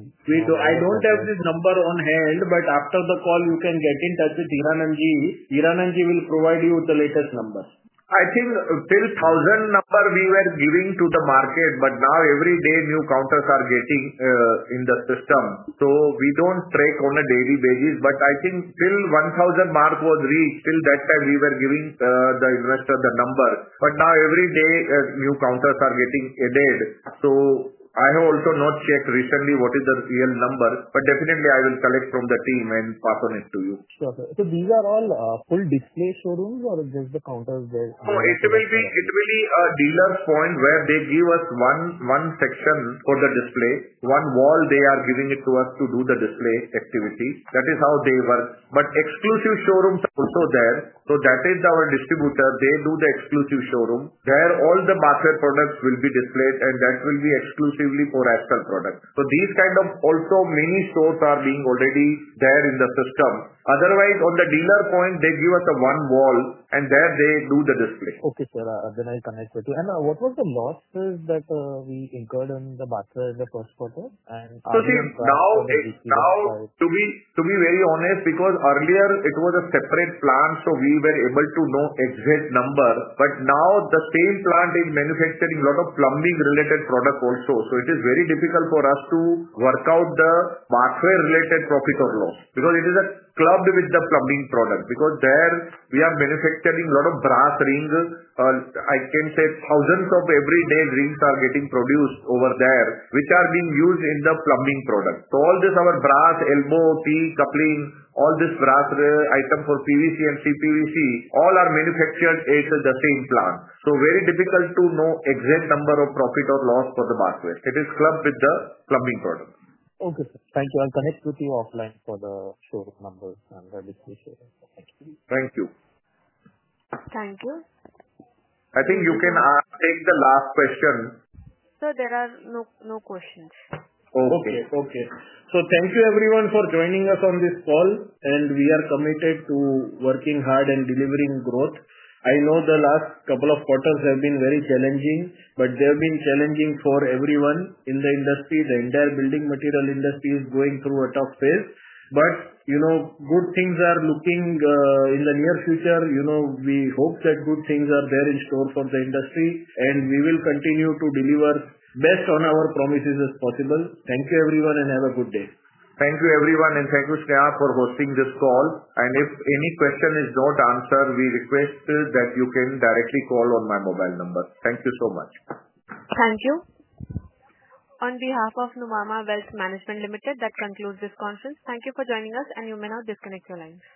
don't have this number on hand, but after the call, you can get in touch with Hiranand Savlani. Hiranand Savlani will provide you with the latest numbers. I think till 1,000 number we were giving to the market, but now every day new counters are getting in the system. We don't track on a daily basis, but I think till 1,000 mark was reached, till that time we were giving the investor the number. Now every day new counters are getting added. I have also not checked recently what is the real number, but definitely I will collect from the team and pass on it to you. Are these all full display showrooms or just the counters there? It will be a dealer's point where they give us one section for the display. One wall they are giving it to us to do the display activities. That is how they work. Exclusive showrooms also there. That is our distributor. They do the exclusive showroom where all the Bathware products will be displayed, and that will be exclusively for Astral products. These kind of also many shows are being already there in the system. Otherwise, on the dealer point, they give us a one wall, and there they do the display. Okay, sir. I'll connect with you. What was the losses that we incurred in the Bathware in the first quarter? To be very honest, because earlier it was a separate plant, we were able to know the exact number. Now the same plant is manufacturing a lot of plumbing-related products also. It is very difficult for us to work out the Bathware-related profit or loss because it is clubbed with the plumbing product. There we are manufacturing a lot of brass rings. I can say thousands of everyday rings are getting produced over there, which are being used in the plumbing product. All this, our brass, Elmo, teak, coupling, all these brass items for PVC and CPVC, all are manufactured in the same plant. It is very difficult to know the exact number of profit or loss for the Bathware. It is clubbed with the plumbing product. Okay, sir. Thank you. I'll connect with you offline for the showroom number. I'll read it to you. Thank you. Thank you. I think you can take the last question. Sir, there are no questions. Okay, okay. Thank you, everyone, for joining us on this call. We are committed to working hard and delivering growth. I know the last couple of quarters have been very challenging, but they have been challenging for everyone in the industry. The entire building material industry is going through a tough phase. Good things are looking in the near future. We hope that good things are there in store for the industry, and we will continue to deliver best on our promises as possible. Thank you, everyone, and have a good day. Thank you, everyone, and thank you, Sreya, for hosting this call. If any question is not answered, we request that you can directly call on my mobile number. Thank you so much. Thank you. On behalf of Nuvama Wealth Management, that concludes this conference. Thank you for joining us, and you may now disconnect your lines.